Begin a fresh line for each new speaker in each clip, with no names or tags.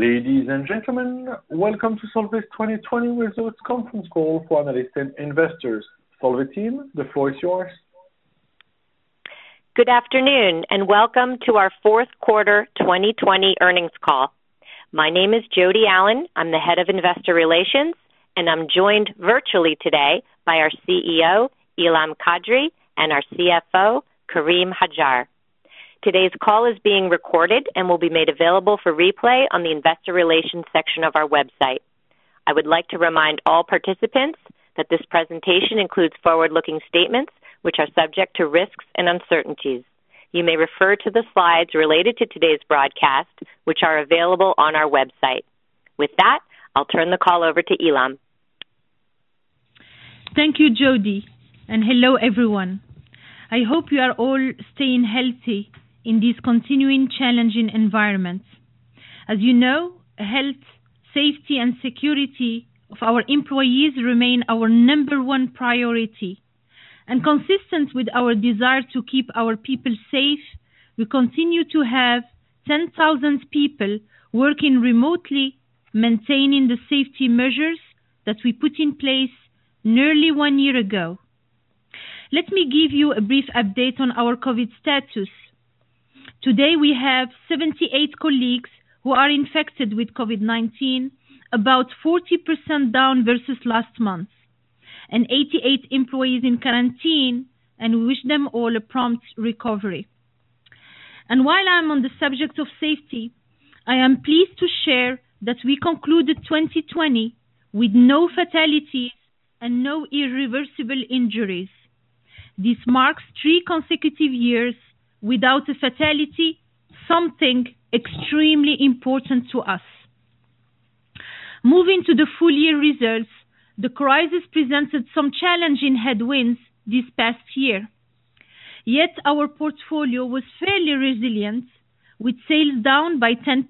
Ladies and gentlemen, welcome to Solvay's 2020 Results Conference Call for Analysts and Investors. Solvay team, the floor is yours.
Good afternoon, and welcome to our fourth quarter 2020 earnings call. My name is Jodi Allen, I'm the Head of Investor Relations, and I'm joined virtually today by our CEO, Ilham Kadri, and our CFO, Karim Hajjar. Today's call is being recorded and will be made available for replay on the investor relations section of our website. I would like to remind all participants that this presentation includes forward-looking statements, which are subject to risks and uncertainties. You may refer to the slides related to today's broadcast, which are available on our website. With that, I'll turn the call over to Ilham.
Thank you, Jodi, and hello, everyone. I hope you are all staying healthy in this continuing challenging environment. As you know, health, safety, and security of our employees remain our number one priority. Consistent with our desire to keep our people safe, we continue to have 10,000 people working remotely, maintaining the safety measures that we put in place nearly one year ago. Let me give you a brief update on our COVID status. Today, we have 78 colleagues who are infected with COVID-19, about 40% down versus last month, and 88 employees in quarantine, and we wish them all a prompt recovery. While I am on the subject of safety, I am pleased to share that we concluded 2020 with no fatalities and no irreversible injuries. This marks three consecutive years without a fatality, something extremely important to us. Moving to the full year results, the crisis presented some challenging headwinds this past year. Yet our portfolio was fairly resilient, with sales down by 10%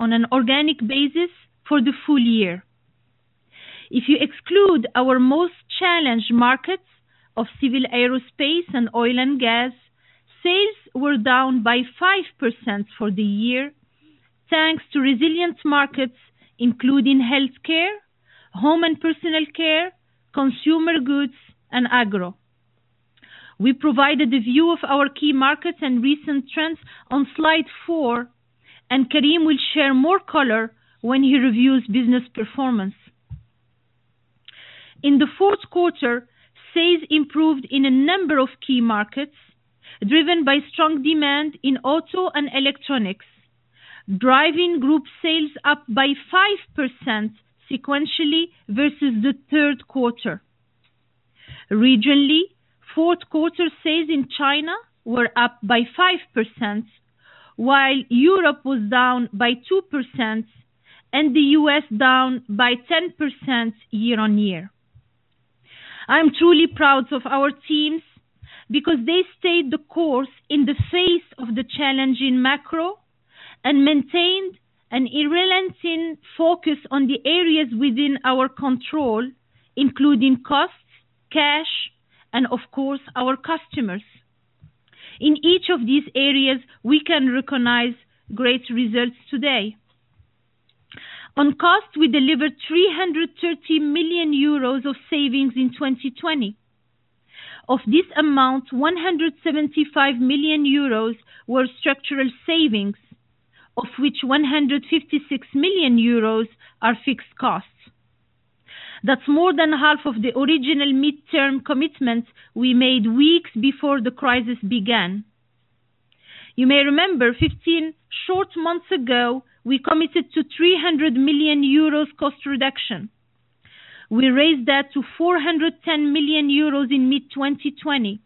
on an organic basis for the full year. If you exclude our most challenged markets of civil aerospace and oil and gas, sales were down by 5% for the year, thanks to resilient markets, including healthcare, home and personal care, consumer goods, and agro. We provided a view of our key markets and recent trends on slide four, and Karim will share more color when he reviews business performance. In the fourth quarter, sales improved in a number of key markets, driven by strong demand in auto and electronics, driving group sales up by 5% sequentially versus the third quarter. Regionally, fourth quarter sales in China were up by 5%, while Europe was down by 2% and the U.S. down by 10% year-on-year. I'm truly proud of our teams because they stayed the course in the face of the challenging macro and maintained an unrelenting focus on the areas within our control, including costs, cash, and of course, our customers. In each of these areas, we can recognize great results today. On cost, we delivered 330 million euros of savings in 2020. Of this amount, 175 million euros were structural savings, of which 156 million euros are fixed costs. That's more than 1/2 of the original midterm commitments we made weeks before the crisis began. You may remember 15 short months ago, we committed to 300 million euros cost reduction. We raised that to 410 million euros in mid-2020,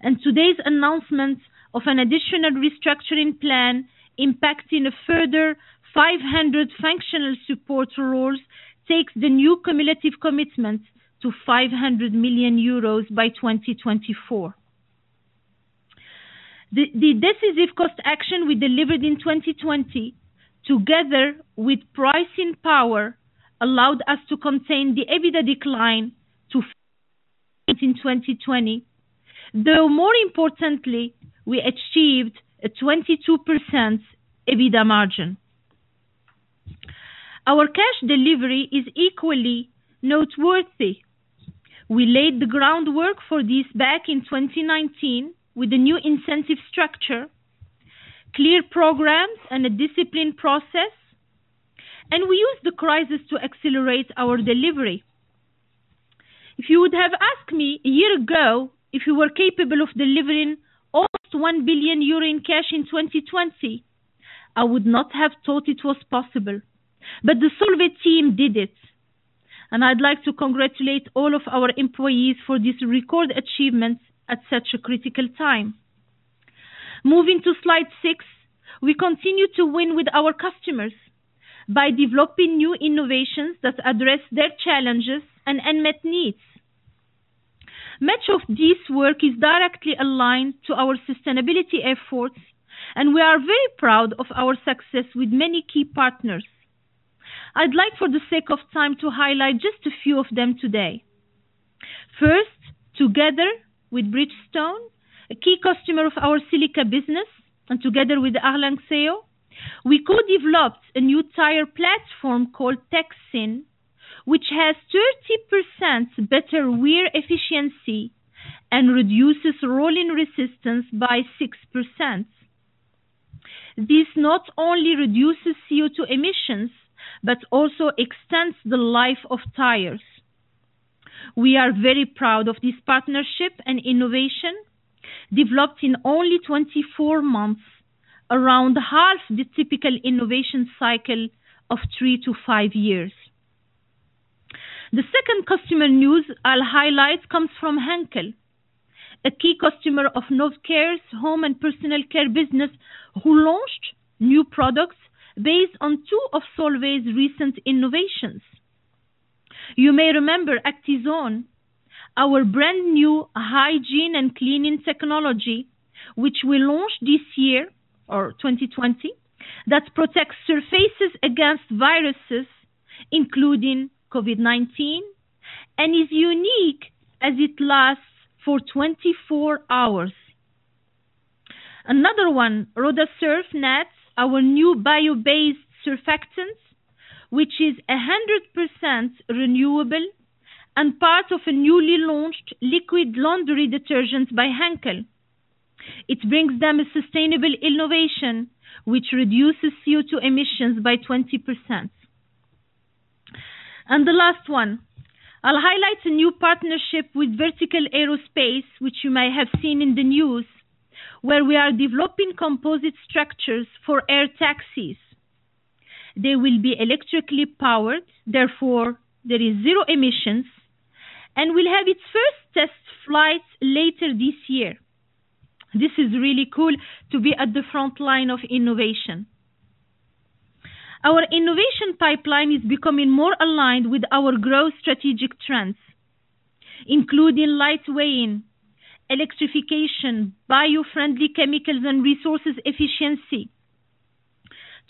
and today's announcement of an additional restructuring plan impacting a further 500 functional support roles takes the new cumulative commitment to 500 million euros by 2024. The decisive cost action we delivered in 2020, together with pricing power, allowed us to contain the EBITDA decline to in 2020, though more importantly, we achieved a 22% EBITDA margin. Our cash delivery is equally noteworthy. We laid the groundwork for this back in 2019 with a new incentive structure, clear programs, and a disciplined process, and we used the crisis to accelerate our delivery. If you would have asked me a year ago if we were capable of delivering almost 1 billion euro in cash in 2020, I would not have thought it was possible. The Solvay team did it, and I'd like to congratulate all of our employees for this record achievement at such a critical time. Moving to slide six, we continue to win with our customers by developing new innovations that address their challenges and unmet needs. Much of this work is directly aligned to our sustainability efforts, and we are very proud of our success with many key partners. I'd like, for the sake of time, to highlight just a few of them today. First, together with Bridgestone, a key customer of our Silica business, and together with ARLANXEO, we co-developed a new tire platform called TECHSYN, which has 30% better wear efficiency and reduces rolling resistance by 6%. This not only reduces CO2 emissions but also extends the life of tires. We are very proud of this partnership and innovation, developed in only 24 months, around 1/2 the typical innovation cycle of three to five years. The second customer news I'll highlight comes from Henkel, a key customer of Novecare's home and personal care business who launched new products based on two of Solvay's recent innovations. You may remember Actizone, our brand-new hygiene and cleaning technology, which we launched this year, or 2020, that protects surfaces against viruses, including COVID-19, and is unique as it lasts for 24 hours. Another one, Rhodasurf, our new bio-based surfactants, which is 100% renewable and part of a newly launched liquid laundry detergent by Henkel. It brings them a sustainable innovation, which reduces CO2 emissions by 20%. The last one, I'll highlight a new partnership with Vertical Aerospace, which you may have seen in the news, where we are developing composite structures for air taxis. They will be electrically powered, therefore there is zero emissions, and will have its first test flights later this year. This is really cool to be at the frontline of innovation. Our innovation pipeline is becoming more aligned with our growth strategic trends, including lightweighting, electrification, bio-friendly chemicals, and resources efficiency.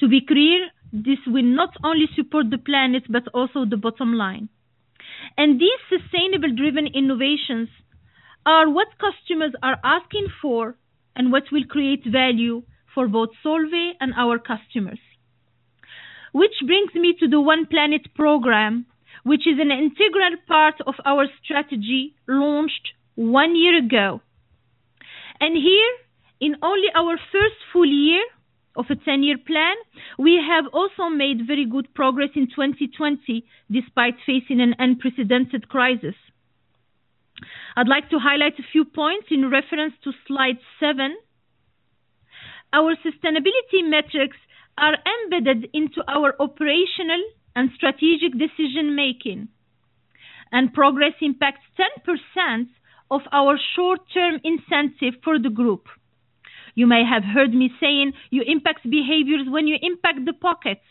To be clear, this will not only support the planet but also the bottom line. These sustainable driven innovations are what customers are asking for and what will create value for both Solvay and our customers. Which brings me to the One Planet program, which is an integral part of our strategy launched one year ago. Here, in only our first full year of a 10-year plan, we have also made very good progress in 2020 despite facing an unprecedented crisis. I'd like to highlight a few points in reference to slide seven. Our sustainability metrics are embedded into our operational and strategic decision-making, and progress impacts 10% of our short-term incentive for the group. You may have heard me saying you impact behaviors when you impact the pockets.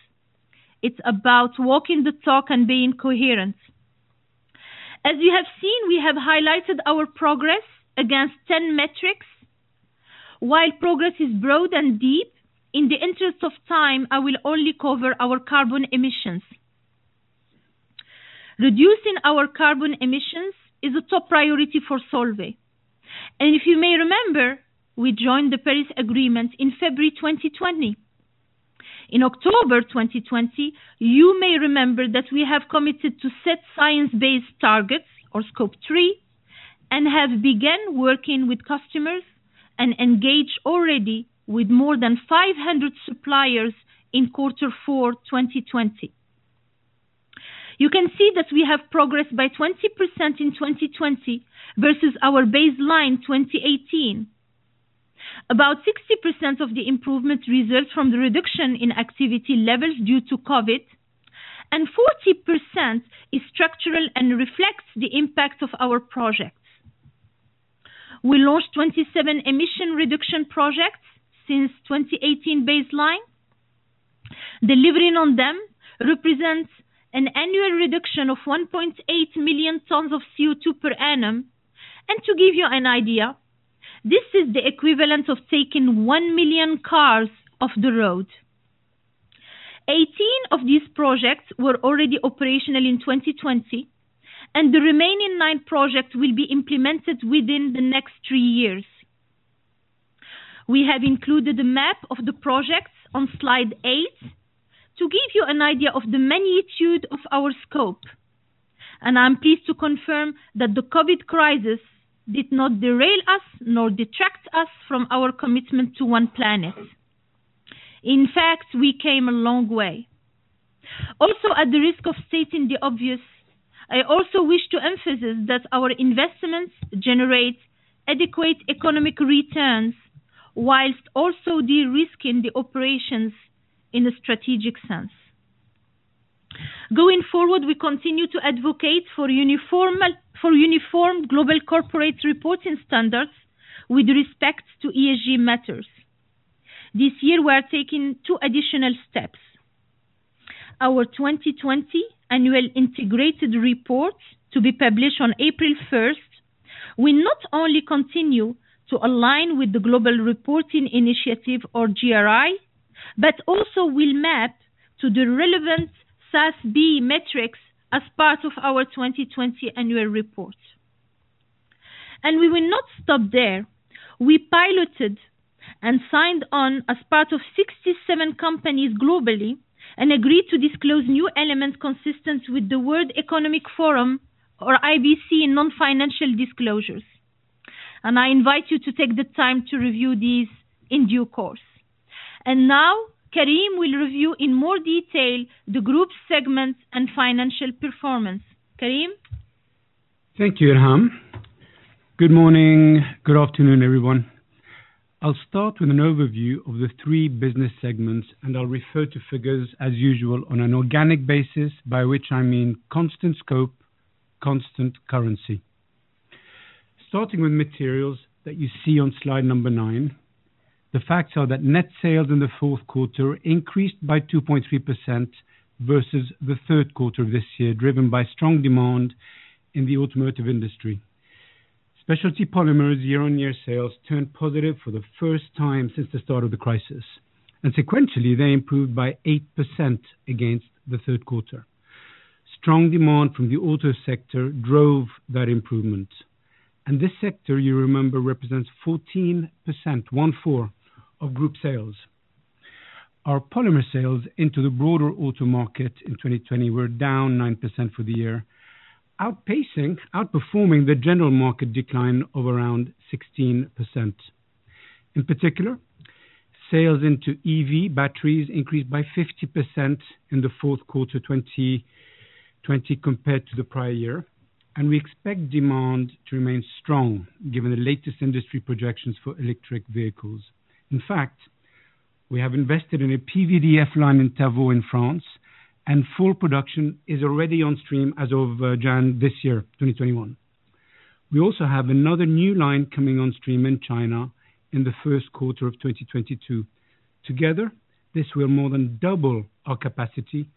It's about walking the talk and being coherent. As you have seen, we have highlighted our progress against 10 metrics. While progress is broad and deep, in the interest of time, I will only cover our carbon emissions. Reducing our carbon emissions is a top priority for Solvay, and if you may remember, we joined the Paris Agreement in February 2020. In October 2020, you may remember that we have committed to set science-based targets for Scope 3 and have begun working with customers and engaged already with more than 500 suppliers in quarter four 2020. You can see that we have progressed by 20% in 2020 versus our baseline 2018. About 60% of the improvement results from the reduction in activity levels due to COVID, and 40% is structural and reflects the impact of our projects. We launched 27 emission reduction projects since 2018 baseline. Delivering on them represents an annual reduction of 1.8 million tons of CO2 per annum. To give you an idea, this is the equivalent of taking one million cars off the road. 18 of these projects were already operational in 2020, and the remaining nine projects will be implemented within the next three years. We have included a map of the projects on slide eight to give you an idea of the magnitude of our scope, and I'm pleased to confirm that the COVID crisis did not derail us nor detract us from our commitment to One Planet. In fact, we came a long way. Also, at the risk of stating the obvious, I also wish to emphasize that our investments generate adequate economic returns whilst also de-risking the operations in a strategic sense. Going forward, we continue to advocate for uniform global corporate reporting standards with respect to ESG matters. This year, we are taking two additional steps. Our 2020 annual integrated report, to be published on April 1st. We not only continue to align with the Global Reporting Initiative, or GRI, but also will map to the relevant SASB metrics as part of our 2020 annual report. We will not stop there. We piloted and signed on as part of 67 companies globally and agreed to disclose new elements consistent with the World Economic Forum or IBC non-financial disclosures, and I invite you to take the time to review these in due course. Now Karim will review in more detail the group segments and financial performance. Karim?
Thank you, Ilham. Good morning. Good afternoon, everyone. I'll start with an overview of the three business segments. I'll refer to figures as usual on an organic basis, by which I mean constant scope, constant currency. Starting with materials that you see on slide number nine, the facts are that net sales in the fourth quarter increased by 2.3% versus the third quarter of this year, driven by strong demand in the automotive industry. Specialty Polymers year-on-year sales turned positive for the first time since the start of the crisis. Sequentially, they improved by 8% against the third quarter. Strong demand from the auto sector drove that improvement. This sector, you remember, represents 14%, one four, of group sales. Our polymer sales into the broader auto market in 2020 were down 9% for the year, outperforming the general market decline of around 16%. In particular, sales into EV batteries increased by 50% in the fourth quarter 2020 compared to the prior year, and we expect demand to remain strong given the latest industry projections for electric vehicles. In fact, we have invested in a PVDF line in Tavaux in France, and full production is already on stream as of Jan this year, 2021. We also have another new line coming on stream in China in the first quarter of 2022. Together, this will more than double our capacity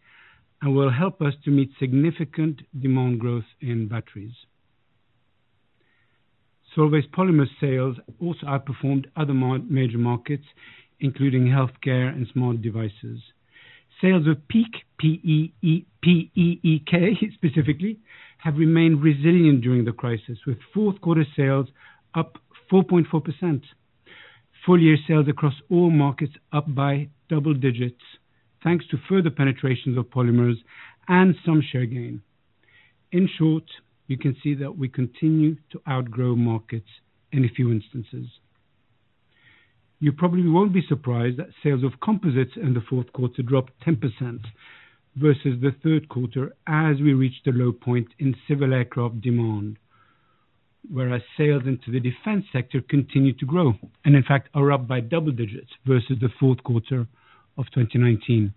and will help us to meet significant demand growth in batteries. Solvay's polymer sales also outperformed other major markets, including healthcare and smart devices. Sales of PEEK, P-E-E-K, specifically, have remained resilient during the crisis, with fourth quarter sales up 4.4%. Full year sales across all markets up by double digits, thanks to further penetrations of polymers and some share gain. In short, you can see that we continue to outgrow markets in a few instances. You probably won't be surprised that sales of composites in the fourth quarter dropped 10% versus the third quarter as we reached a low point in civil aircraft demand. Whereas sales into the defense sector continued to grow, and in fact, are up by double digits versus the fourth quarter of 2019.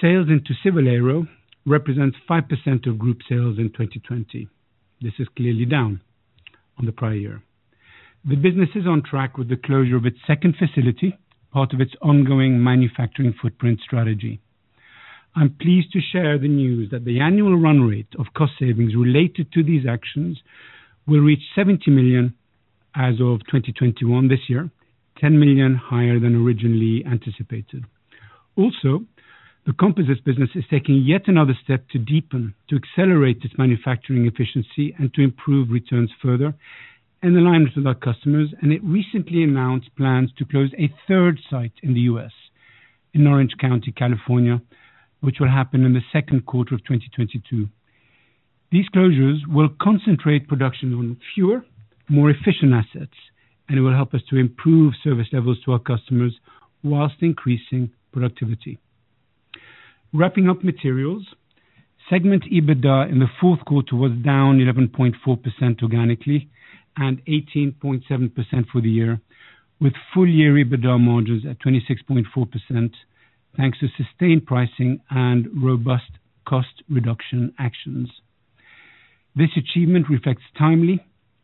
Sales into civil aero represents 5% of group sales in 2020. This is clearly down on the prior year. The business is on track with the closure of its second facility, part of its ongoing manufacturing footprint strategy. I'm pleased to share the news that the annual run rate of cost savings related to these actions will reach 70 million as of 2021 this year, 10 million higher than originally anticipated. Also, the composites business is taking yet another step to deepen, to accelerate its manufacturing efficiency and to improve returns further in alignment with our customers, and it recently announced plans to close a third site in the U.S. in Orange County, California, which will happen in the second quarter of 2022. These closures will concentrate production on fewer, more efficient assets, and it will help us to improve service levels to our customers whilst increasing productivity. Wrapping up materials, segment EBITDA in the fourth quarter was down 11.4% organically and 18.7% for the year, with full-year EBITDA margins at 26.4% thanks to sustained pricing and robust cost reduction actions. This achievement reflects timely,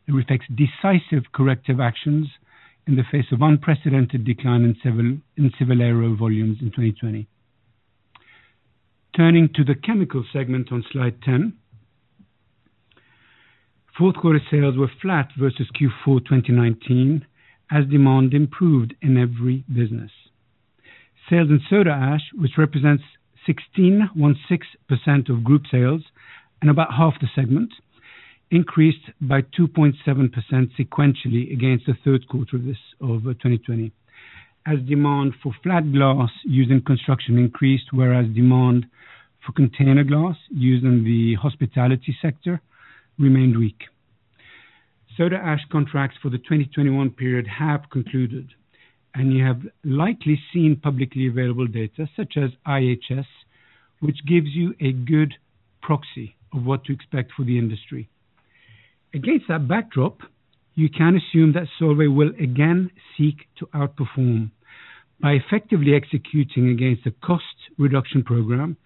decisive corrective actions in the face of unprecedented decline in civil aero volumes in 2020. Turning to the chemical segment on slide 10. Fourth quarter sales were flat versus Q4 2019 as demand improved in every business. Sales in Soda Ash, which represents 16% of group sales and about 1/2 the segment, increased by 2.7% sequentially against the third quarter of 2020 as demand for flat glass used in construction increased, whereas demand for container glass used in the hospitality sector remained weak. Soda Ash contracts for the 2021 period have concluded, and you have likely seen publicly available data such as IHS, which gives you a good proxy of what to expect for the industry. Against that backdrop, you can assume that Solvay will again seek to outperform by effectively executing against the cost reduction program,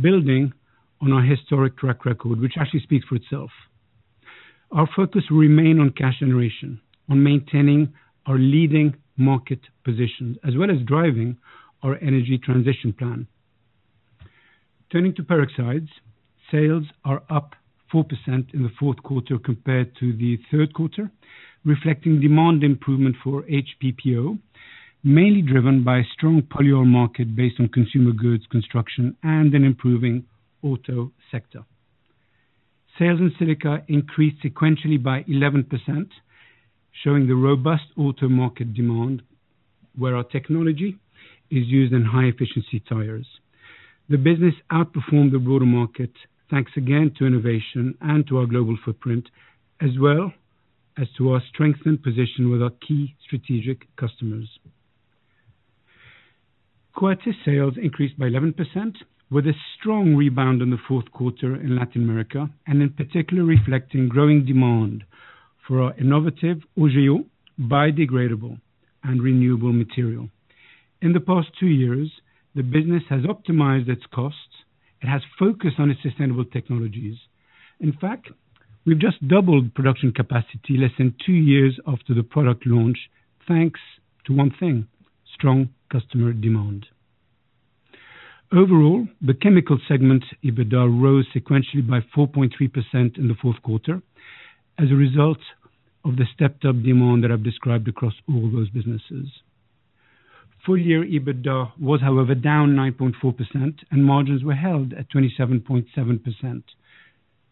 building on our historic track record, which actually speaks for itself. Our focus will remain on cash generation, on maintaining our leading market position, as well as driving our energy transition plan. Turning to Peroxides, sales are up 4% in the fourth quarter compared to the third quarter, reflecting demand improvement for HPPO, mainly driven by a strong polyol market based on consumer goods construction and an improving auto sector. Sales in Silica increased sequentially by 11%, showing the robust auto market demand, where our technology is used in high-efficiency tires. The business outperformed the broader market, thanks again to innovation and to our global footprint, as well as to our strengthened position with our key strategic customers. Coatis sales increased by 11%, with a strong rebound in the fourth quarter in Latin America, and in particular reflecting growing demand for our innovative Augeo biodegradable and renewable material. In the past two years, the business has optimized its costs. It has focused on its sustainable technologies. In fact, we've just doubled production capacity less than two years after the product launch, thanks to one thing: strong customer demand. Overall, the Chemical segment EBITDA rose sequentially by 4.3% in the fourth quarter as a result of the stepped-up demand that I've described across all those businesses. Full-year EBITDA was, however, down 9.4%, and margins were held at 27.7%,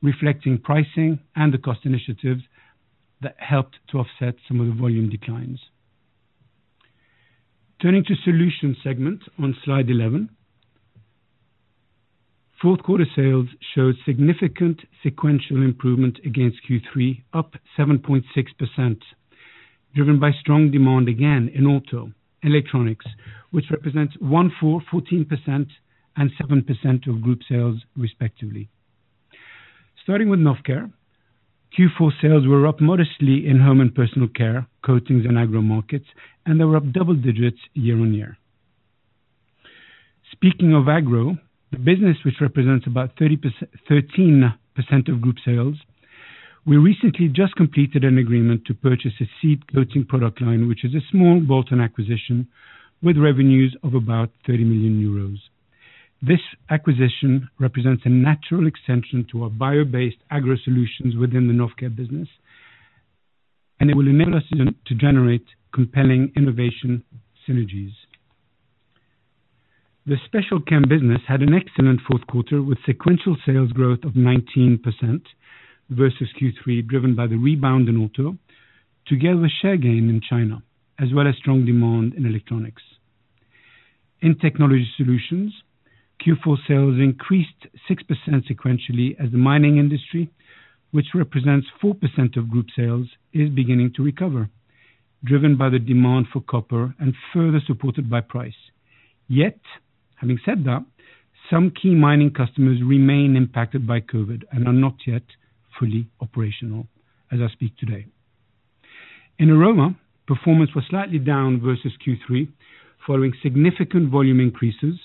reflecting pricing and the cost initiatives that helped to offset some of the volume declines. Turning to Solutions segment on Slide 11. Fourth quarter sales showed significant sequential improvement against Q3, up 7.6%, driven by strong demand again in auto, electronics, which represents 14% and 7% of group sales respectively. Starting with Novecare, Q4 sales were up modestly in home and personal care, coatings, and agro markets, and they were up double digits year-on-year. Speaking of Agro, the business which represents about 13% of group sales, we recently just completed an agreement to purchase a seed coating product line, which is a small bolt-on acquisition with revenues of about 30 million euros. This acquisition represents a natural extension to our bio-based agro solutions within the Novecare business, and it will enable us to generate compelling innovation synergies. The Special Chem business had an excellent fourth quarter with sequential sales growth of 19% versus Q3, driven by the rebound in auto together with share gain in China, as well as strong demand in electronics. In Technology Solutions, Q4 sales increased 6% sequentially as the mining industry, which represents 4% of group sales, is beginning to recover, driven by the demand for copper and further supported by price. Having said that, some key mining customers remain impacted by COVID and are not yet fully operational as I speak today. In Aroma, performance was slightly down versus Q3 following significant volume increases,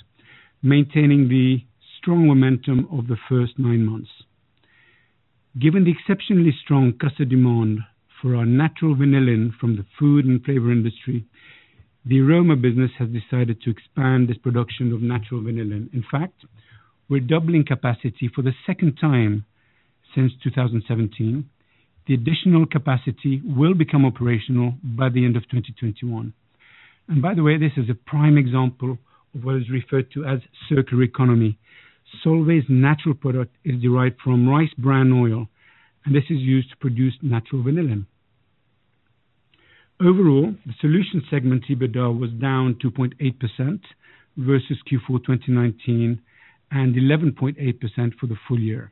maintaining the strong momentum of the first nine months. Given the exceptionally strong customer demand for our natural vanillin from the food and flavor industry, the Aroma business has decided to expand its production of natural vanillin. In fact, we're doubling capacity for the second time since 2017. The additional capacity will become operational by the end of 2021. By the way, this is a prime example of what is referred to as circular economy. Solvay's natural product is derived from rice bran oil, and this is used to produce natural vanillin. Overall, the Solutions segment EBITDA was down 2.8% versus Q4 2019 and 11.8% for the full year,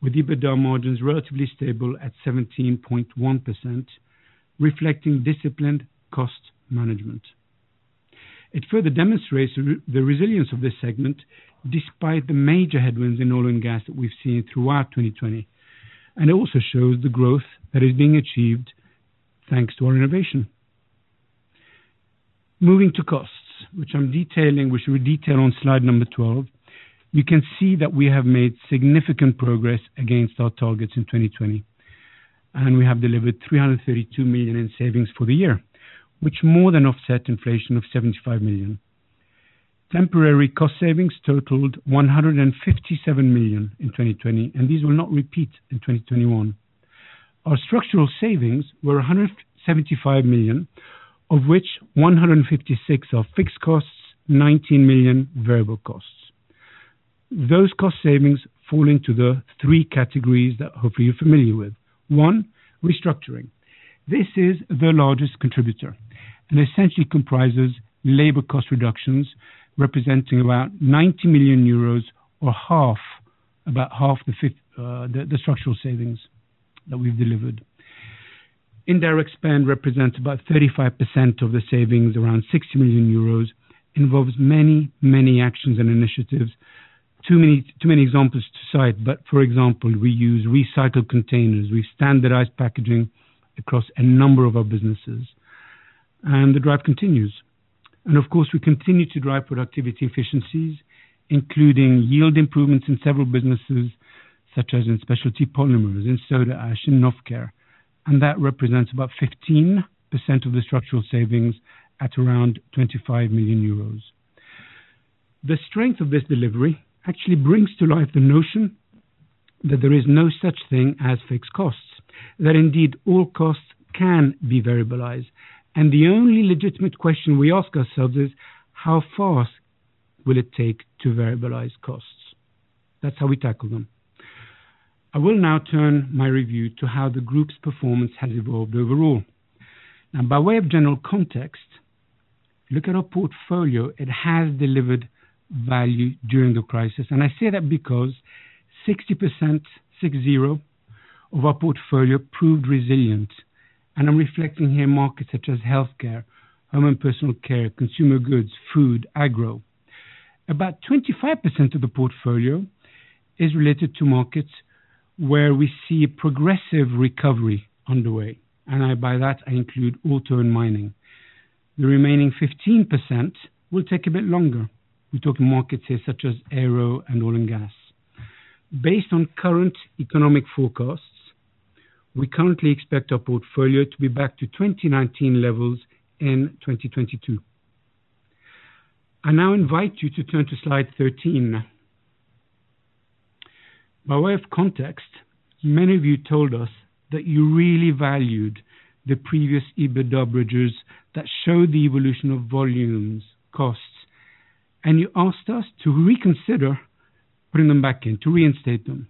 with EBITDA margins relatively stable at 17.1%, reflecting disciplined cost management. It further demonstrates the resilience of this segment despite the major headwinds in oil and gas that we've seen throughout 2020. It also shows the growth that is being achieved thanks to our innovation. Moving to costs, which we detail on slide number 12. You can see that we have made significant progress against our targets in 2020. We have delivered 332 million in savings for the year, which more than offset inflation of 75 million. Temporary cost savings totaled 157 million in 2020. These will not repeat in 2021. Our structural savings were 175 million, of which 156 million are fixed costs, 19 million variable costs. Those cost savings fall into the three categories that hopefully you're familiar with. One, restructuring. This is the largest contributor and essentially comprises labor cost reductions representing about 90 million euros or about 1/2 the structural savings that we've delivered. Indirect spend represents about 35% of the savings, around 60 million euros, involves many actions and initiatives. Too many examples to cite, for example, we use recycled containers. We standardize packaging across a number of our businesses, the drive continues. Of course, we continue to drive productivity efficiencies, including yield improvements in several businesses. Such as in Specialty Polymers, in Soda Ash, in Novecare. That represents about 15% of the structural savings at around 25 million euros. The strength of this delivery actually brings to life the notion that there is no such thing as fixed costs, that indeed all costs can be variabilized. The only legitimate question we ask ourselves is, how fast will it take to variabilize costs? That's how we tackle them. I will now turn my review to how the group's performance has evolved overall. By way of general context, look at our portfolio. It has delivered value during the crisis. I say that because 60%, six-zero of our portfolio proved resilient. I'm reflecting here markets such as healthcare, home and personal care, consumer goods, food, agro. About 25% of the portfolio is related to markets where we see a progressive recovery underway. By that, I include auto and mining. The remaining 15% will take a bit longer. We're talking markets here such as aero and oil and gas. Based on current economic forecasts, we currently expect our portfolio to be back to 2019 levels in 2022. I now invite you to turn to slide 13. By way of context, many of you told us that you really valued the previous EBITDA bridges that showed the evolution of volumes, costs. You asked us to reconsider putting them back in, to reinstate them.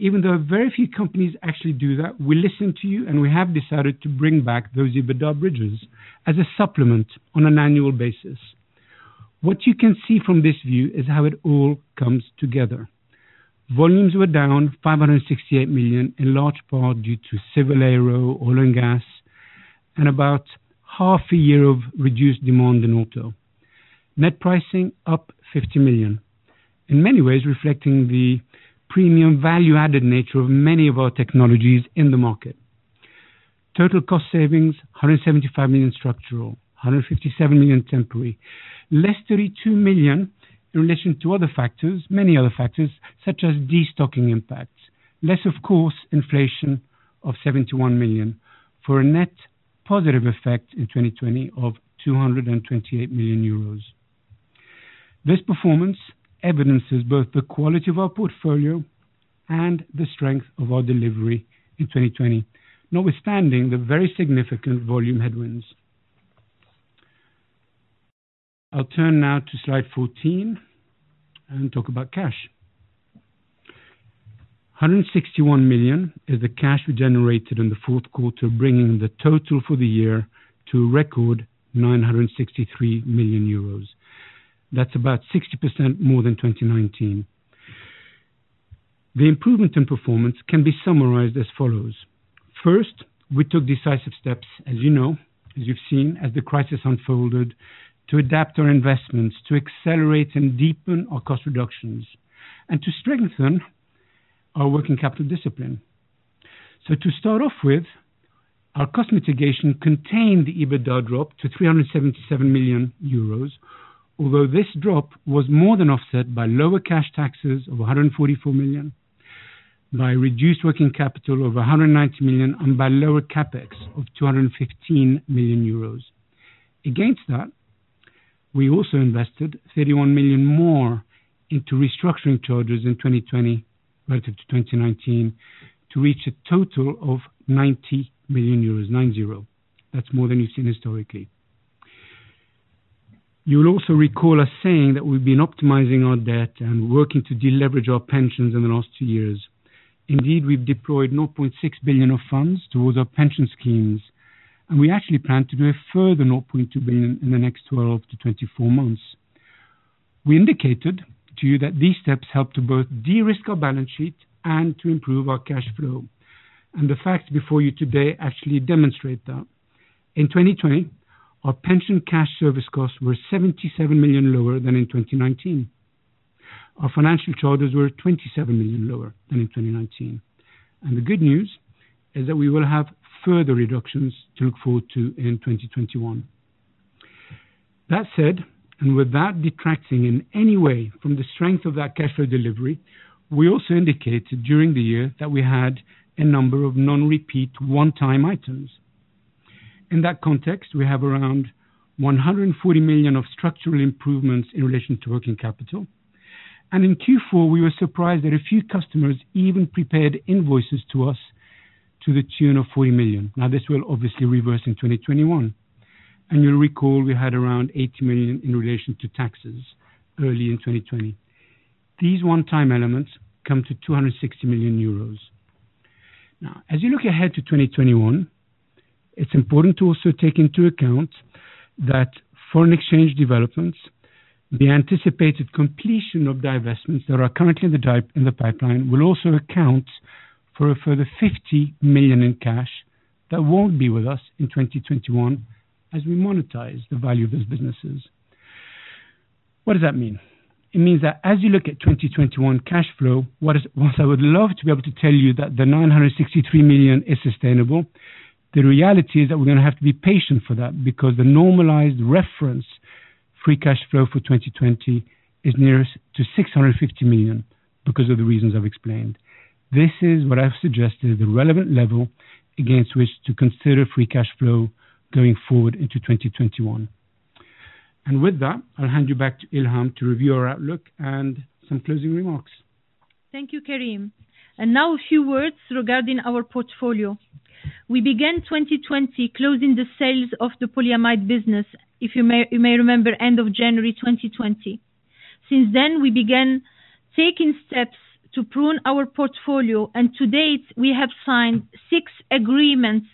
Even though very few companies actually do that, we listened to you. We have decided to bring back those EBITDA bridges as a supplement on an annual basis. What you can see from this view is how it all comes together. Volumes were down 568 million, in large part due to civil aero, oil and gas, and about 1/2 a year of reduced demand in auto. Net pricing up 50 million, in many ways reflecting the premium value-added nature of many of our technologies in the market. Total cost savings, 175 million structural, 157 million temporary. Less 32 million in relation to other factors, many other factors, such as destocking impacts. Less, of course, inflation of 71 million, for a net positive effect in 2020 of 228 million euros. This performance evidences both the quality of our portfolio and the strength of our delivery in 2020, notwithstanding the very significant volume headwinds. I'll turn now to slide 14 and talk about cash. 161 million is the cash we generated in the fourth quarter, bringing the total for the year to a record 963 million euros. That's about 60% more than 2019. The improvement in performance can be summarized as follows. First, we took decisive steps, as you know, as you've seen, as the crisis unfolded, to adapt our investments, to accelerate and deepen our cost reductions, and to strengthen our working capital discipline. To start off with, our cost mitigation contained the EBITDA drop to 377 million euros, although this drop was more than offset by lower cash taxes of 144 million, by reduced working capital of 190 million, and by lower CapEx of 215 million euros. Against that, we also invested 31 million more into restructuring charges in 2020 relative to 2019 to reach a total of 90 million euros, nine-zero. That's more than you've seen historically. You'll also recall us saying that we've been optimizing our debt and working to deleverage our pensions in the last two years. Indeed, we've deployed 0.6 billion of funds towards our pension schemes, and we actually plan to do a further 0.2 billion in the next 12 to 24 months. We indicated to you that these steps help to both de-risk our balance sheet and to improve our cash flow. The facts before you today actually demonstrate that. In 2020, our pension cash service costs were 77 million lower than in 2019. Our financial charges were 27 million lower than in 2019. The good news is that we will have further reductions to look forward to in 2021. That said, and without detracting in any way from the strength of that cash flow delivery, we also indicated during the year that we had a number of non-repeats 1x items. In that context, we have around 140 million of structural improvements in relation to working capital. In Q4, we were surprised that a few customers even prepared invoices to us to the tune of 40 million. Now, this will obviously reverse in 2021. You'll recall we had around 80 million in relation to taxes early in 2020. These 1x elements come to 260 million euros. Now, as you look ahead to 2021, it's important to also take into account that foreign exchange developments, the anticipated completion of divestments that are currently in the pipeline, will also account for a further 50 million in cash that won't be with us in 2021 as we monetize the value of those businesses. What does that mean? It means that as you look at 2021 cash flow, whilst I would love to be able to tell you that the 963 million is sustainable, the reality is that we're going to have to be patient for that because the normalized reference free cash flow for 2020 is nearest to 650 million because of the reasons I've explained. This is what I've suggested is the relevant level against which to consider free cash flow going forward into 2021. With that, I'll hand you back to Ilham to review our outlook and some closing remarks.
Thank you, Karim. Now a few words regarding our portfolio. We began 2020 closing the sales of the polyamide business, if you may remember, end of January 2020. Since then, we began taking steps to prune our portfolio, and to date, we have signed six agreements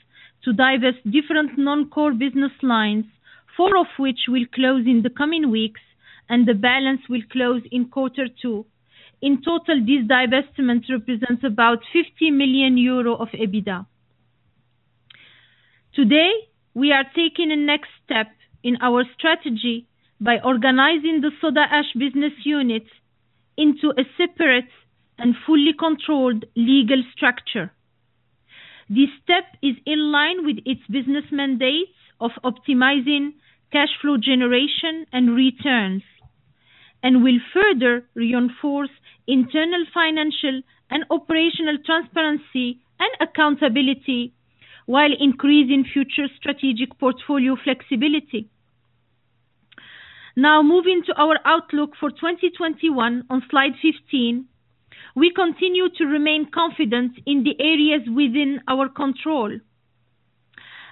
to divest different non-core business lines, four of which will close in the coming weeks, and the balance will close in Q2. In total, this divestment represents about 50 million euro of EBITDA. Today, we are taking a next step in our strategy by organizing the Soda Ash business unit into a separate and fully controlled legal structure. This step is in line with its business mandates of optimizing cash flow generation and returns and will further reinforce internal financial and operational transparency and accountability while increasing future strategic portfolio flexibility. Moving to our outlook for 2021 on slide 15. We continue to remain confident in the areas within our control.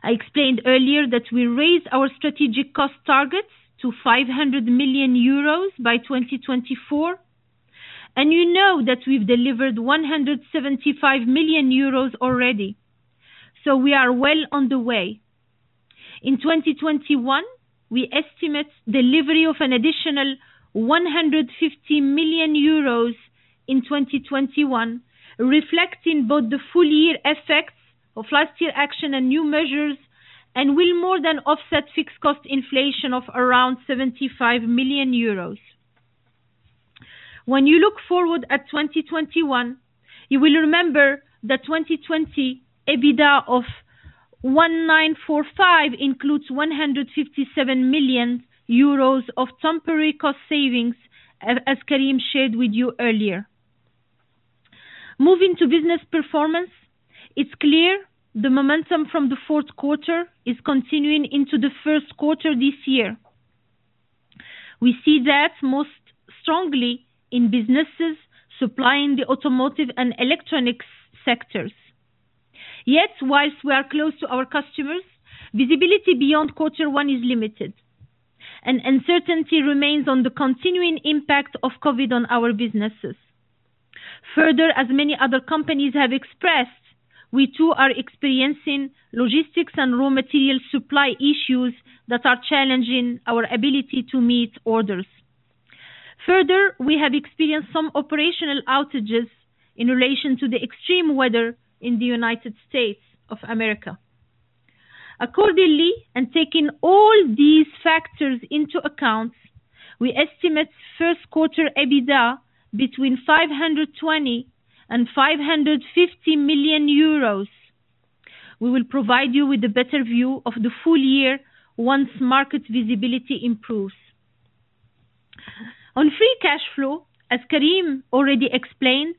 I explained earlier that we raised our strategic cost targets to 500 million euros by 2024, and you know that we've delivered 175 million euros already, we are well on the way. In 2021, we estimate delivery of an additional 150 million euros in 2021, reflecting both the full-year effects of last year action and new measures, and will more than offset fixed cost inflation of around 75 million euros. When you look forward at 2021, you will remember that 2020 EBITDA of 1,945 includes 157 million euros of temporary cost savings, as Karim shared with you earlier. Moving to business performance, it's clear the momentum from the fourth quarter is continuing into the first quarter this year. We see that most strongly in businesses supplying the automotive and electronics sectors. Yet whilst we are close to our customers, visibility beyond quarter one is limited, and uncertainty remains on the continuing impact of COVID on our businesses. Further, as many other companies have expressed, we too are experiencing logistics and raw material supply issues that are challenging our ability to meet orders. Further, we have experienced some operational outages in relation to the extreme weather in the United States of America. Accordingly, and taking all these factors into account, we estimate first quarter EBITDA between 520 million and 550 million euros. We will provide you with a better view of the full year once market visibility improves. On free cash flow, as Karim already explained,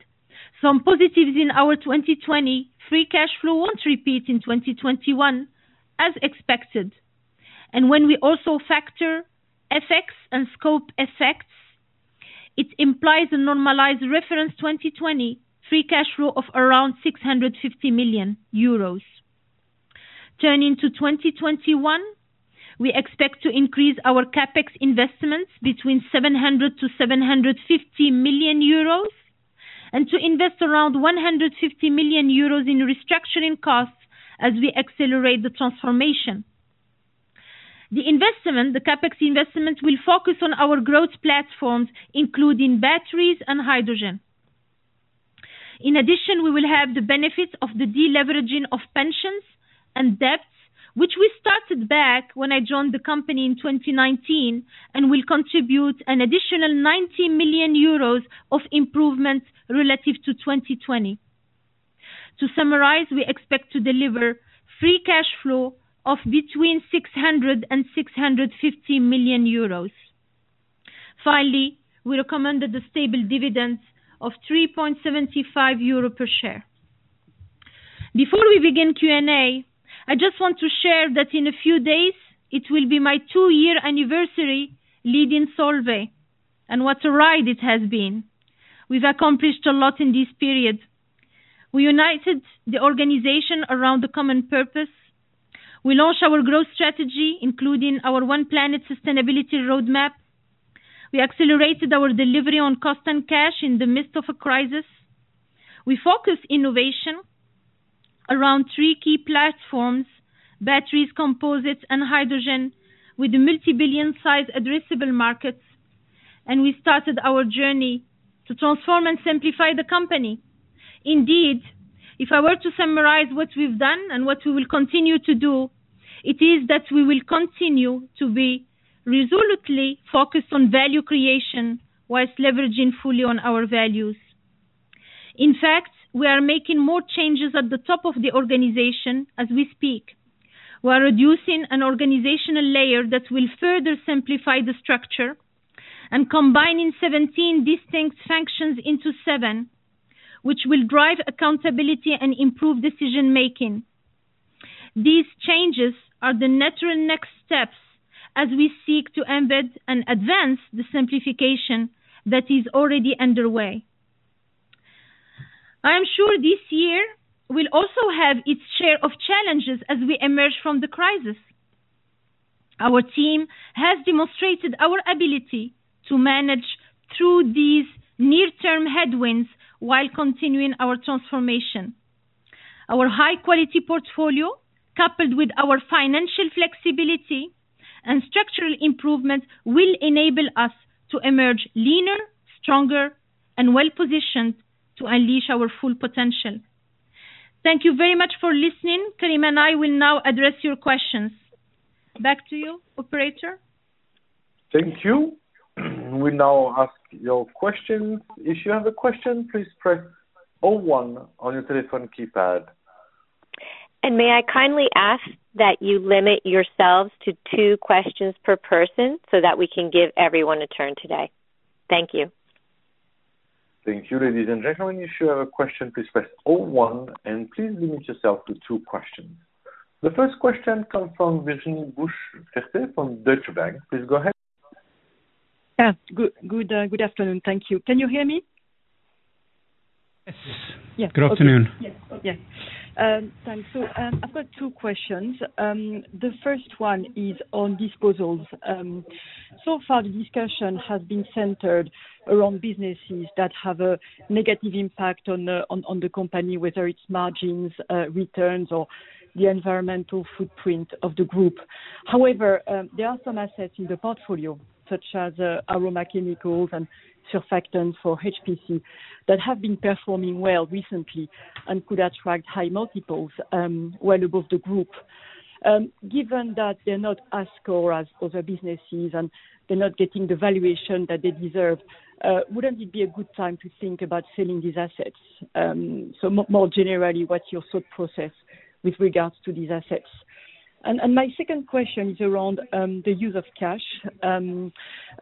some positives in our 2020 free cash flow won't repeat in 2021 as expected. When we also factor FX and scope effects, it implies a normalized reference 2020 free cash flow of around 650 million euros. Turning to 2021, we expect to increase our CapEx investments between 700 million-750 million euros and to invest around 150 million euros in restructuring costs as we accelerate the transformation. The investment, the CapEx investment will focus on our growth platforms, including batteries and hydrogen. We will have the benefit of the de-leveraging of pensions and debts, which we started back when I joined the company in 2019 and will contribute an additional 90 million euros of improvement relative to 2020. To summarize, we expect to deliver free cash flow of between 600 million euros and 650 million euros. Finally, we recommended a stable dividend of 3.75 euro per share. Before we begin Q&A, I just want to share that in a few days, it will be my two-year anniversary leading Solvay. What a ride it has been. We've accomplished a lot in this period. We united the organization around a common purpose. We launched our growth strategy, including our One Planet sustainability roadmap. We accelerated our delivery on cost and cash in the midst of a crisis. We focused innovation around three key platforms, batteries, composites, and hydrogen, with multi-billion size addressable markets. We started our journey to transform and simplify the company. Indeed, if I were to summarize what we've done and what we will continue to do, it is that we will continue to be resolutely focused on value creation whilst leveraging fully on our values. In fact, we are making more changes at the top of the organization as we speak. We are reducing an organizational layer that will further simplify the structure and combining 17 distinct functions into seven, which will drive accountability and improve decision-making. These changes are the natural next steps as we seek to embed and advance the simplification that is already underway. I am sure this year will also have its share of challenges as we emerge from the crisis. Our team has demonstrated our ability to manage through these near-term headwinds while continuing our transformation. Our high-quality portfolio, coupled with our financial flexibility and structural improvements, will enable us to emerge leaner, stronger, and well-positioned to unleash our full potential. Thank you very much for listening. Karim and I will now address your questions. Back to you, operator.
Thank you. We now ask your questions. If you have a question, please press O one on your telephone keypad.
May I kindly ask that you limit yourselves to two questions per person so that we can give everyone a turn today. Thank you.
Thank you, ladies and gentlemen. If you have a question, please press O one and please limit yourself to two questions. The first question comes from Virginie Boucher-Ferte from Deutsche Bank. Please go ahead.
Yeah. Good afternoon. Thank you. Can you hear me?
Yes.
Yeah. Okay.
Good afternoon.
Yeah. Thanks. I've got two questions. The first one is on disposals. Far the discussion has been centered around businesses that have a negative impact on the company, whether it's margins, returns, or the environmental footprint of the group. However, there are some assets in the portfolio, such as Aroma Performance and Novecare for HPC, that have been performing well recently and could attract high multiples well above the group. Given that they're not as core as other businesses and they're not getting the valuation that they deserve, wouldn't it be a good time to think about selling these assets? More generally, what's your thought process with regards to these assets? My second question is around the use of cash and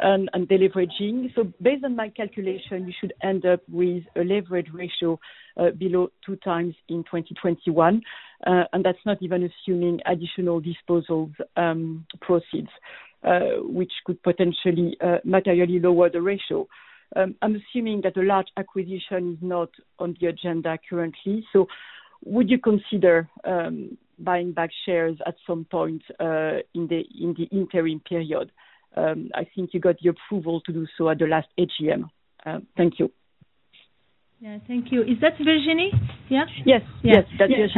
deleveraging. Based on my calculation, you should end up with a leverage ratio below 2x in 2021. That's not even assuming additional disposals proceeds, which could potentially materially lower the ratio. I'm assuming that a large acquisition is not on the agenda currently. Would you consider buying back shares at some point in the interim period? I think you got the approval to do so at the last AGM. Thank you.
Yeah. Thank you. Is that Virginie? Yeah.
Yes. That's Virginie.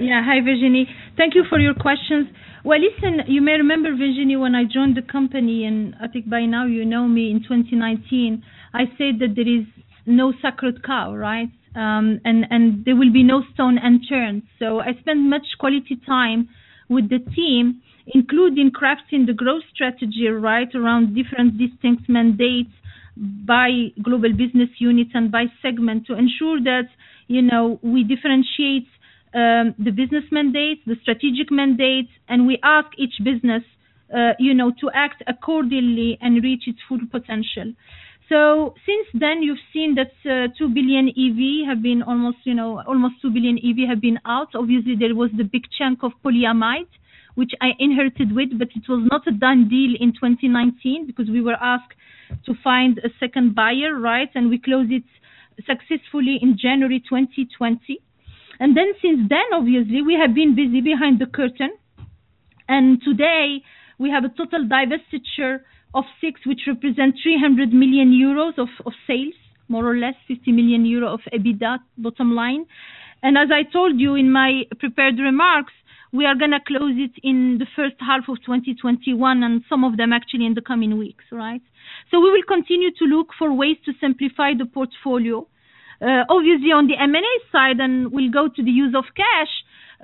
Yeah. Hi, Virginie. Thank you for your questions. Well, listen, you may remember, Virginie, when I joined the company, and I think by now you know me, in 2019, I said that there is no sacred cow, right? There will be no stone unturned. I spend much quality time with the team, including crafting the growth strategy right around different distinct mandates by global business units and by segment to ensure that we differentiate the business mandates, the strategic mandates, and we ask each business to act accordingly and reach its full potential. Since then, you've seen that almost two billion EV have been out. Obviously, there was the big chunk of polyamide, which I inherited with, but it was not a done deal in 2019 because we were asked to find a second buyer, right? We closed it successfully in January 2020. Since then, obviously, we have been busy behind the curtain, and today we have a total divestiture of six, which represent 300 million euros of sales, more or less 50 million euro of EBITDA bottom line. As I told you in my prepared remarks, we are going to close it in the first half of 2021, and some of them actually in the coming weeks, right? We will continue to look for ways to simplify the portfolio. Obviously, on the M&A side, and we'll go to the use of cash,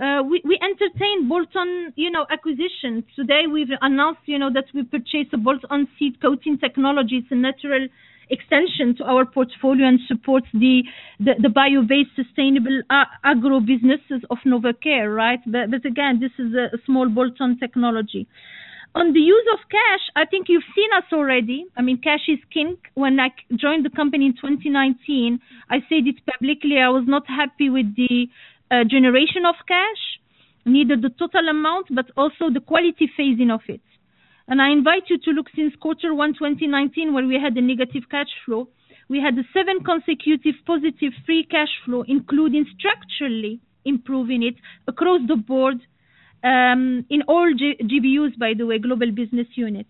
we entertain bolt-on acquisitions. Today, we've announced that we purchased a bolt-on seed coating technology. It's a natural extension to our portfolio and supports the bio-based sustainable agro businesses of Novecare, right? Again, this is a small bolt-on technology. On the use of cash, I think you've seen us already. Cash is king. When I joined the company in 2019, I said it publicly, I was not happy with the generation of cash, neither the total amount, but also the quality phasing of it. I invite you to look since quarter one 2019, when we had the negative cash flow. We had the seven consecutive positive free cash flow, including structurally improving it across the board, in all GBUs, by the way, global business units.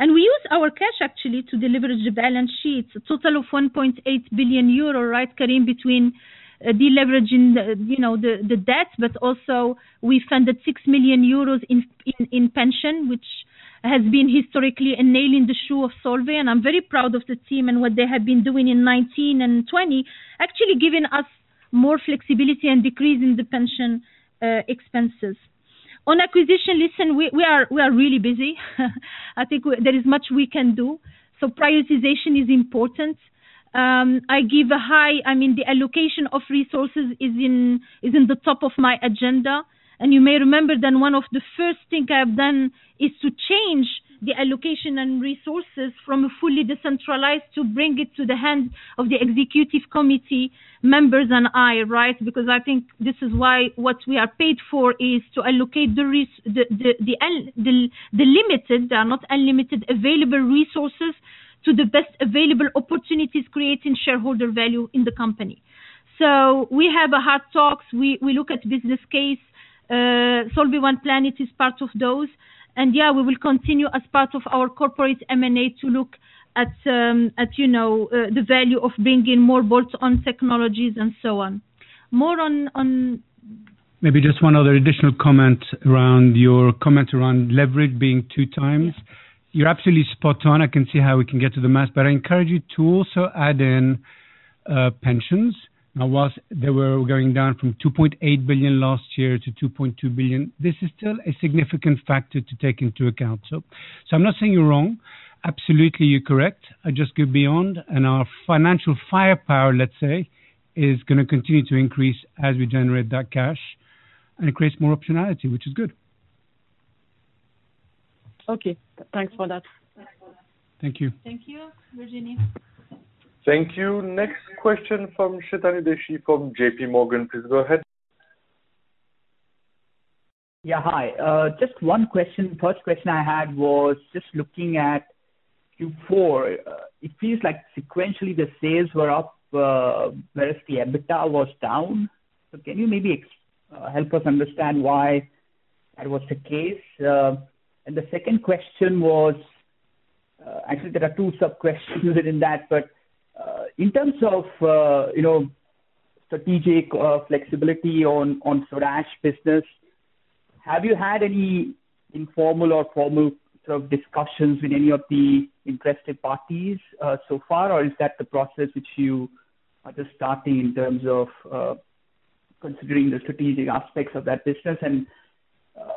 We use our cash actually to deleverage the balance sheets, a total of 1.8 billion euro, right, Karim? Between deleveraging the debt, but also, we funded 6 million euros in pension, which has been historically a nail in the shoe of Solvay. I'm very proud of the team and what they have been doing in 2019 and 2020, actually giving us more flexibility and decreasing the pension expenses. On acquisition, listen, we are really busy. I think there is much we can do. Prioritization is important. The allocation of resources is in the top of my agenda. You may remember that one of the first thing I've done is to change the allocation and resources from a fully decentralized to bring it to the hands of the executive committee members and I, right? I think this is why what we are paid for is to allocate the limited, they are not unlimited, available resources to the best available opportunities, creating shareholder value in the company. We have hard talks. We look at business case. Solvay One Planet is part of those. Yeah, we will continue as part of our corporate M&A to look at the value of bringing more bolts on technologies and so on. More on.
Maybe just one other additional comment around your comment around leverage being 2x.
Yeah.
You're absolutely spot on. I can see how we can get to the math, but I encourage you to also add in pensions. Whilst they were going down from 2.8 billion last year to 2.2 billion, this is still a significant factor to take into account. I'm not saying you're wrong. Absolutely, you're correct. I just go beyond, and our financial firepower, let's say, is going to continue to increase as we generate that cash, and it creates more optionality, which is good.
Okay. Thanks for that.
Thank you.
Thank you. Virginie?
Thank you. Next question from Chetan Udeshi from J.P. Morgan. Please go ahead.
Yeah. Hi. Just one question. First question I had was just looking at Q4. It feels like sequentially the sales were up, whereas the EBITDA was down. Can you maybe help us understand why that was the case? The second question was, actually, there are two sub-questions within that. In terms of strategic flexibility on Soda Ash business, have you had any informal or formal sort of discussions with any of the interested parties so far? Is that the process which you are just starting in terms of considering the strategic aspects of that business?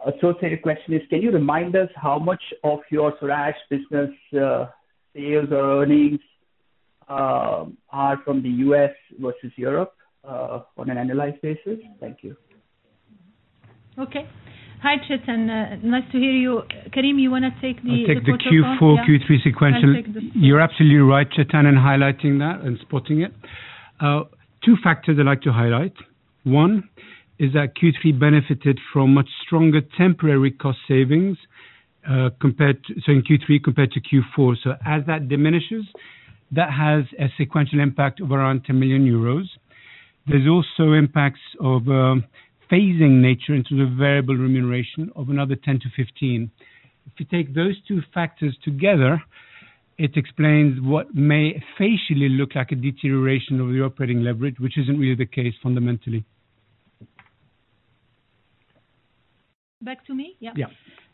Associated question is, can you remind us how much of your Soda Ash business sales or earnings are from the U.S. versus Europe, on an annualized basis? Thank you.
Okay. Hi, Chetan. Nice to hear you. Karim, you want to take?
I'll take the Q4, Q3 sequential.
You take the sequential.
You're absolutely right, Chetan, in highlighting that and spotting it. Two factors I'd like to highlight. One is that Q3 benefited from much stronger temporary cost savings, so in Q3 compared to Q4. As that diminishes, that has a sequential impact of around 10 million euros. There's also impacts of phasing nature into the variable remuneration of another 10 million-15 million. If you take those two factors together, it explains what may facially look like a deterioration of the operating leverage, which isn't really the case fundamentally.
Back to me? Yeah.
Yeah.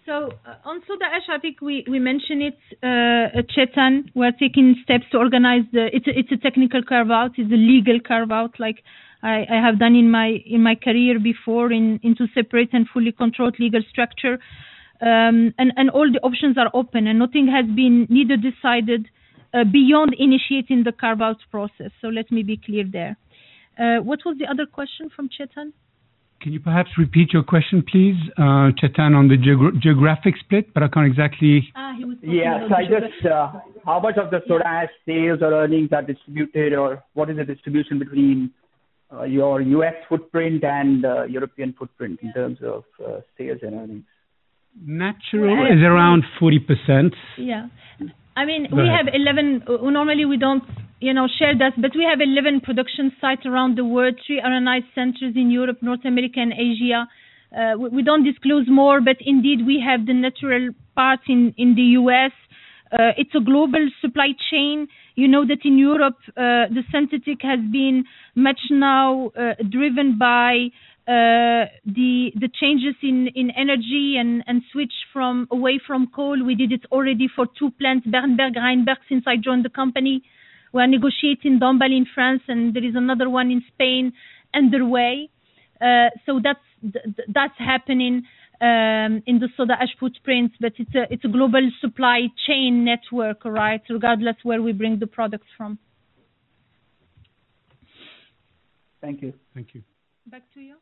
On soda ash, I think we mention it, Chetan. We're taking steps to organize It's a technical carve-out. It's a legal carve-out like I have done in my career before into separate and fully controlled legal structure. All the options are open and nothing has been neither decided, beyond initiating the carve-out process. Let me be clear there. What was the other question from Chetan?
Can you perhaps repeat your question, please, Chetan, on the geographic split.
He was talking about the geographic split.
Yeah. Just how much of the Soda Ash sales or earnings are distributed, or what is the distribution between your U.S. footprint and European footprint in terms of sales and earnings?
Naturally is around 40%.
Normally we don't share that, but we have 11 production sites around the world, three R&I centers in Europe, North America, and Asia. We don't disclose more, but indeed we have the natural part in the U.S. It's a global supply chain. You know that in Europe, the sensitivity has been much now driven by the changes in energy and switch away from coal. We did it already for two plants, Bernburg, Rheinberg, since I joined the company. We're negotiating Dombasle in France, and there is another one in Spain underway. That's happening in the Soda Ash footprints, but it's a global supply chain network, right? Regardless where we bring the products from.
Thank you.
Thank you.
Back to you.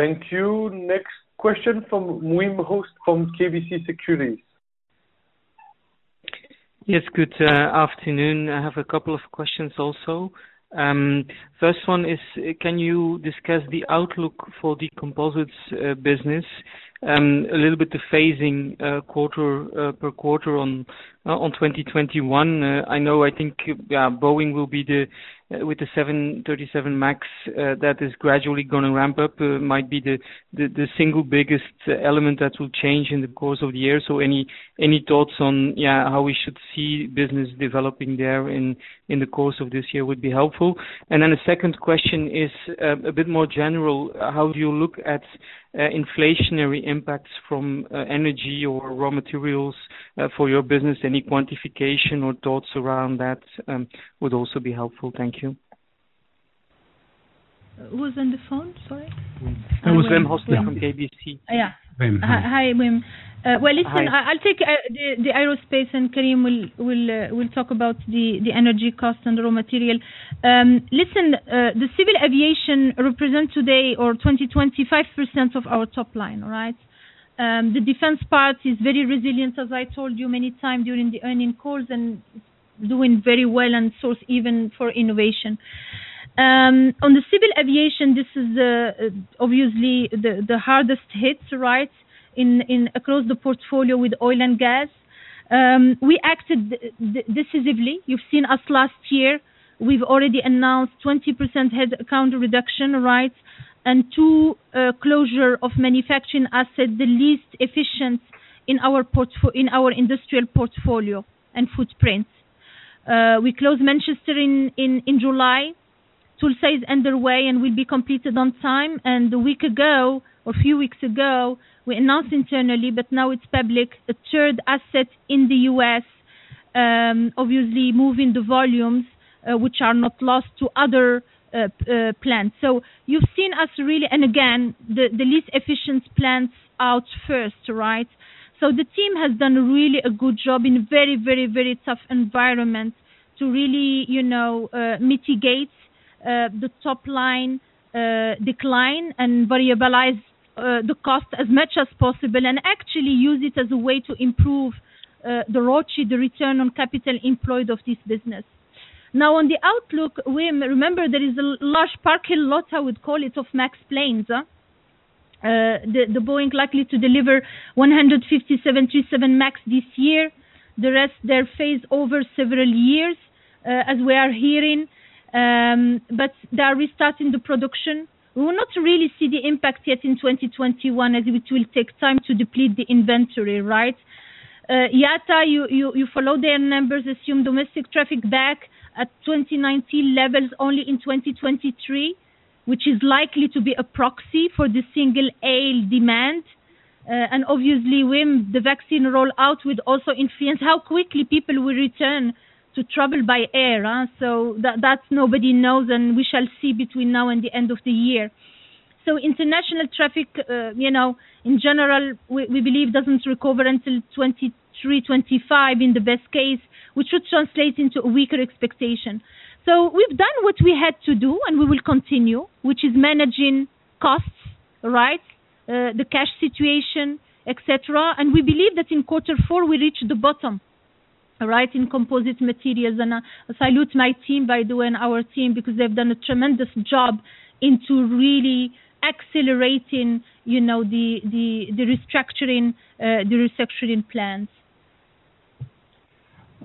Thank you. Next question from Wim Hoste from KBC Securities.
Yes, good afternoon. I have a couple of questions also. First one is, can you discuss the outlook for the composites business? A little bit the phasing per quarter on 2021. I know, I think, Boeing will be with the 737 MAX, that is gradually going to ramp up. Might be the single biggest element that will change in the course of the year. Any thoughts on how we should see business developing there in the course of this year would be helpful. Then the second question is a bit more general. How do you look at inflationary impacts from energy or raw materials for your business? Any quantification or thoughts around that would also be helpful. Thank you.
Who's on the phone? Sorry.
That was Wim Hoste from KBC.
Yeah.
Wim.
Hi, Wim. Well, listen-
Hi
I'll take the aerospace; Karim will talk about the energy cost and the raw material. Listen, the civil aviation represents today, or 2020, 5% of our top line. The defense part is very resilient, as I told you many times during the earning calls, doing very well and source even for innovation. On the civil aviation, this is obviously the hardest hit, across the portfolio with oil and gas. We acted decisively. You've seen us last year, we've already announced 20% headcount reduction, and two closure of manufacturing assets, the least efficient in our industrial portfolio and footprint. We closed Manchester in July. Tulsa is underway and will be completed on time. A week ago, or a few weeks ago, we announced internally, but now it's public, a third asset in the U.S., obviously moving the volumes which are not lost to other plants. You've seen us really, and again, the least efficient plants out first. The team has done really a good job in very tough environment to really mitigate the top line decline and variabilize the cost as much as possible, and actually use it as a way to improve the ROIC, the return on capital employed of this business. On the outlook, Wim, remember, there is a large parking lot, I would call it, of MAX planes. The Boeing likely to deliver 150 737 MAX this year. The rest, they're phased over several years, as we are hearing, but they are restarting the production. We will not really see the impact yet in 2021, as which will take time to deplete the inventory. IATA, you follow their numbers, assume domestic traffic back at 2019 levels only in 2023, which is likely to be a proxy for the single-aisle demand. Obviously, Wim, the vaccine rollout would also influence how quickly people will return to travel by air. That, nobody knows, and we shall see between now and the end of the year. International traffic, in general, we believe, doesn't recover until 2023, 2025 in the best case, which would translate into a weaker expectation. We've done what we had to do, and we will continue, which is managing costs, the cash situation, et cetera. We believe that in quarter four, we reach the bottom in composite materials. I salute my team, by the way, and our team, because they've done a tremendous job into really accelerating the restructuring plans.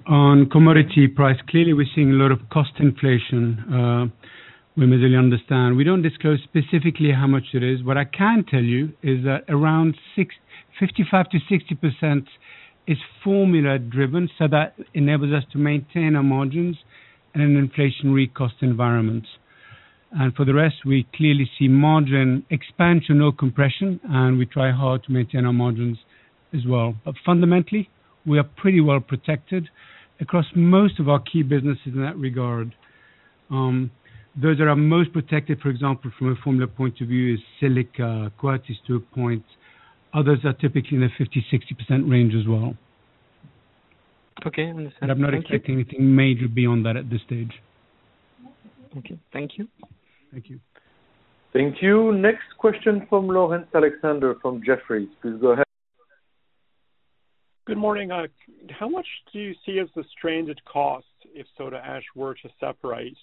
On commodity price, clearly, we're seeing a lot of cost inflation, Wim, as you understand. We don't disclose specifically how much it is. What I can tell you is that around 55%-60% is formula-driven, that enables us to maintain our margins in an inflationary cost environment. For the rest, we clearly see margin expansion or compression, and we try hard to maintain our margins as well. Fundamentally, we are pretty well-protected across most of our key businesses in that regard. Those that are most protected, for example, from a formula point of view, is Silica, [quartz is two points]. Others are typically in the 50%-60% range as well.
Okay, understand. Thank you.
I'm not expecting anything major beyond that at this stage.
Okay. Thank you.
Thank you.
Thank you. Next question from Laurence Alexander from Jefferies. Please go ahead.
Good morning. How much do you see as the stranded cost if Soda Ash were to separate?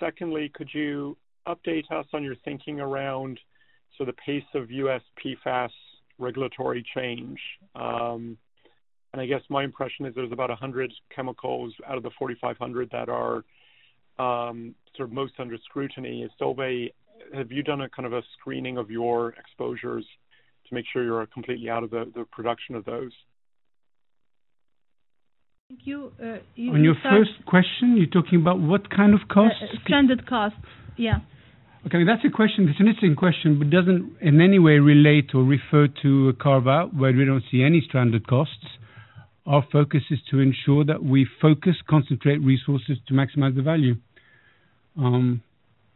Secondly, could you update us on your thinking around the pace of U.S. PFAS regulatory change? I guess my impression is there's about 100 chemicals out of the 4,500 that are most under scrutiny at Solvay. Have you done a kind of a screening of your exposures to make sure you're completely out of the production of those?
Thank you. You start.
On your first question, you're talking about what kind of cost?
Stranded costs. Yeah.
Okay. That's an interesting question, but doesn't in any way relate or refer to a carve-out where we don't see any stranded costs. Our focus is to ensure that we focus, concentrate resources to maximize the value.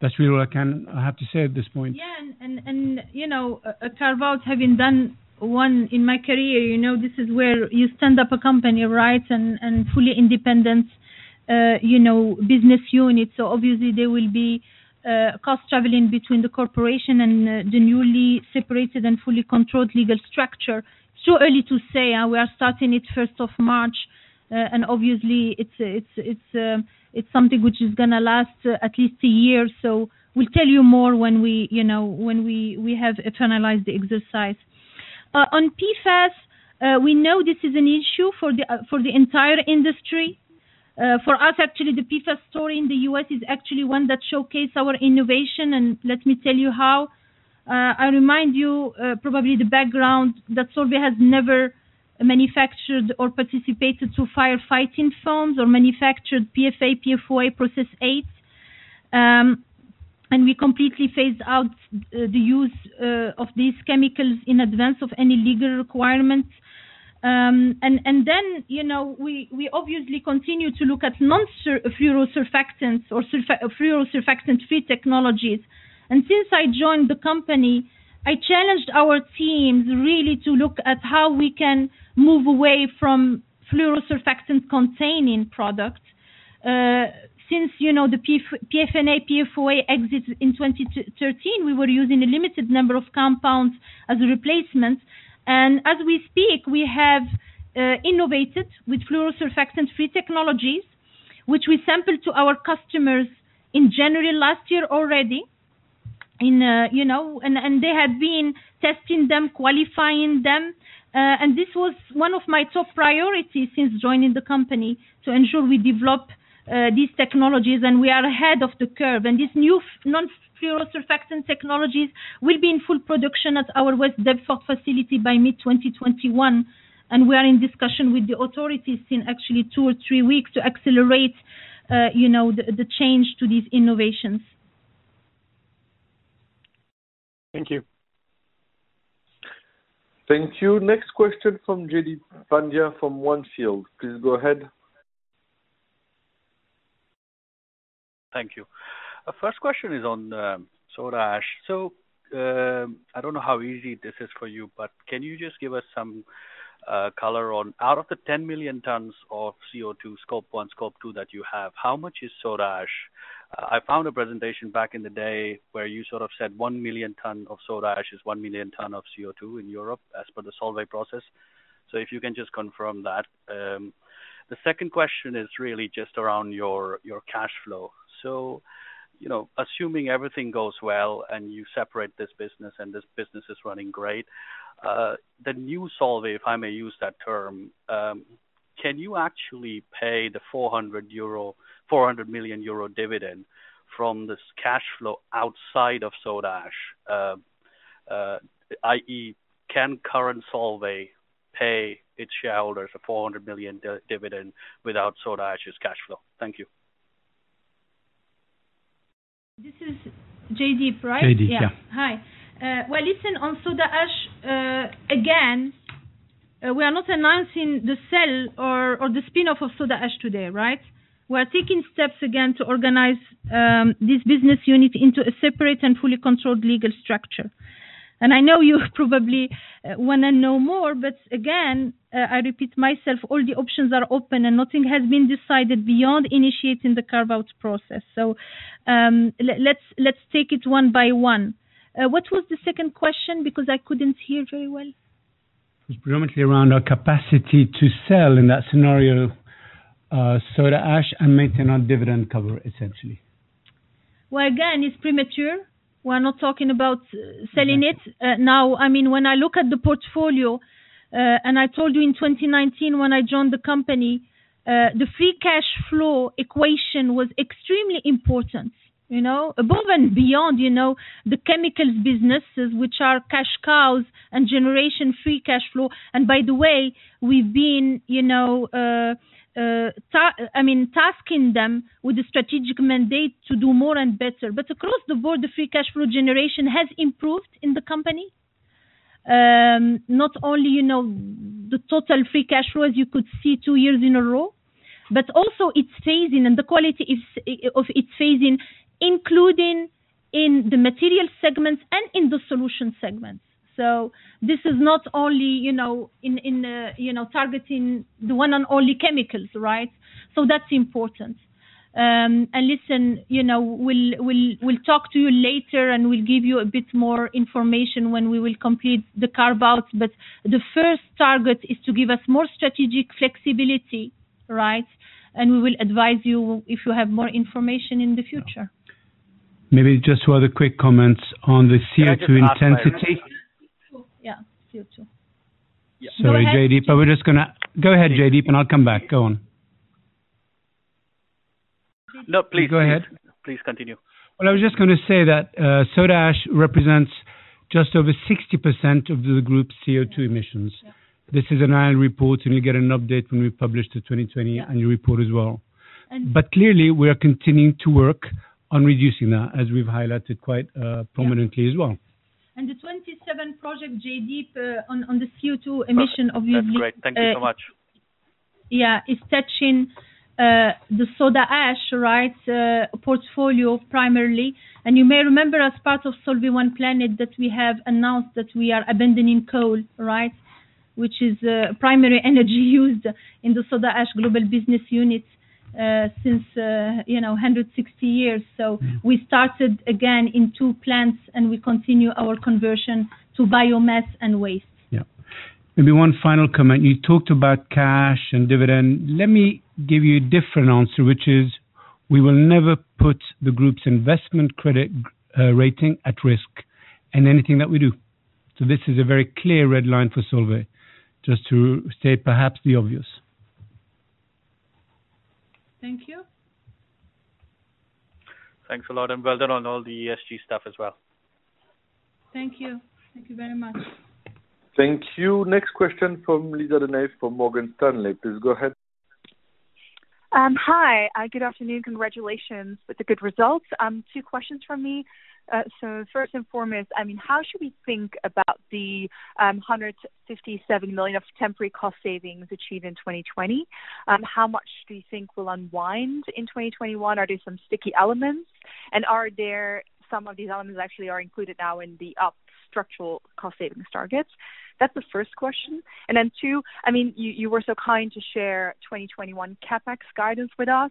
That's really all I have to say at this point.
A carve-out, having done one in my career, this is where you stand up a company and fully independent business unit. Obviously, there will be cost traveling between the corporation and the newly separated and fully controlled legal structure. It's too early to say. We are starting it of March 1st, obviously, it's something which is going to last at least a year. We'll tell you more when we have internalized the exercise. On PFAS, we know this is an issue for the entire industry. For us, actually, the PFAS story in the U.S. is actually one that showcase our innovation, let me tell you how. I remind you, probably the background, that Solvay has never manufactured or participated to firefighting foams or manufactured PFA, PFOA, PFOS. We completely phase out the use of these chemicals in advance of any legal requirements. We obviously continue to look at non-fluorosurfactants or fluorosurfactant-free technologies. Since I joined the company, I challenged our teams really to look at how we can move away from fluorosurfactant-containing products. Since the PFNA, PFOA exit in 2013, we were using a limited number of compounds as a replacement. As we speak, we have innovated with fluorosurfactant-free technologies, which we sampled to our customers in January last year already. They had been testing them, qualifying them. This was one of my top priorities since joining the company, to ensure we develop these technologies, and we are ahead of the curve. This new non-fluorosurfactant technologies will be in full production at our West Deptford facility by mid-2021. We are in discussion with the authorities in actually two or three weeks to accelerate the change to these innovations.
Thank you.
Thank you. Next question from Jaideep Pandya from On Field. Please go ahead.
Thank you. First question is on Soda Ash. I don't know how easy this is for you, but can you just give us some color on, out of the 10 million tons of CO2 Scope 1, Scope 2 that you have, how much is Soda Ash? I found a presentation back in the day where you sort of said 1 million ton of Soda Ash is 1 million ton of CO2 in Europe as per the Solvay process. If you can just confirm that. The second question is really just around your cash flow. Assuming everything goes well and you separate this business and this business is running great, the new Solvay, if I may use that term, can you actually pay the 400 million euro dividend from this cash flow outside of Soda Ash? I.e., can current Solvay pay its shareholders a 400 million dividend without Soda Ash's cash flow? Thank you.
This is Jaideep, right?
Jaideep, yeah.
Yeah. Hi. Well, listen, on Soda Ash, again, we are not announcing the sell or the spin-off of Soda Ash today, right? We're taking steps again to organize this business unit into a separate and fully controlled legal structure. I know you probably want to know more, but again, I repeat myself, all the options are open and nothing has been decided beyond initiating the carve-out process. Let's take it one by one. What was the second question? Because I couldn't hear very well.
It was predominantly around our capacity to sell in that scenario, soda ash, and maintain our dividend cover, essentially.
Well, again, it's premature. We're not talking about selling it now. When I look at the portfolio, and I told you in 2019 when I joined the company, the free cash flow equation was extremely important. Above and beyond the chemicals businesses, which are cash cows and generation free cash flow. By the way, we've been tasking them with the strategic mandate to do more and better. Across the board, the free cash flow generation has improved in the company. Not only the total free cash flow, as you could see two years in a row, but also its phasing and the quality of its phasing, including in the material segments and in the solution segments. This is not only targeting the one and only chemicals, right? That's important. Listen, we'll talk to you later and we'll give you a bit more information when we will complete the carve-out, the first target is to give us more strategic flexibility, right? We will advise you if you have more information in the future.
Maybe just two other quick comments on the CO2 intensity.
Can I just ask very quickly?
Yeah, CO2.
Sorry, Jaideep. Go ahead, Jaideep, and I'll come back. Go on.
No, please.
Go ahead.
Please continue.
Well, I was just going to say that soda ash represents just over 60% of the group's CO2 emissions.
Yeah.
This is an annual report, and you'll get an update when we publish the 2020 annual report as well.
And-
Clearly, we are continuing to work on reducing that, as we've highlighted quite prominently as well.
And the 27 projects, Jaideep, on the CO2 emission of the.
That's great. Thank you so much.
Yeah, is touching the Soda Ash portfolio primarily. You may remember as part of Solvay One Planet that we have announced that we are abandoning coal, which is a primary energy used in the Soda Ash global business unit since 160 years. We started again in two plants, and we continue our conversion to biomass and waste.
Yeah. Maybe one final comment. You talked about cash and dividend. Let me give you a different answer, which is we will never put the group's investment credit rating at risk in anything that we do. This is a very clear red line for Solvay, just to state perhaps the obvious.
Thank you.
Thanks a lot, and well done on all the ESG stuff as well.
Thank you. Thank you very much.
Thank you. Next question from Lisa De Neve from Morgan Stanley. Please go ahead.
Hi, good afternoon. Congratulations with the good results. Two questions from me. First and foremost, how should we think about the 157 million of temporary cost savings achieved in 2020? How much do you think will unwind in 2021? Are there some sticky elements? Are some of these elements actually included now in the up structural cost savings targets? That's the first question. Two, you were so kind to share 2021 CapEx guidance with us.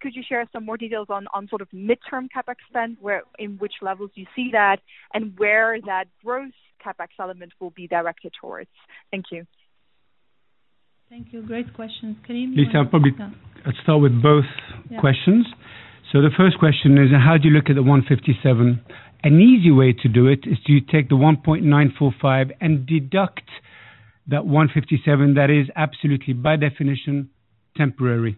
Could you share some more details on sort of midterm CapEx spend, in which levels do you see that, and where that growth CapEx element will be directed towards? Thank you.
Thank you. Great questions. Karim, do you want to start?
Lisa, probably I'll start with both questions.
Yeah.
The first question is, how do you look at the 157? An easy way to do it is to take the 1.945 and deduct that 157 that is absolutely, by definition, temporary.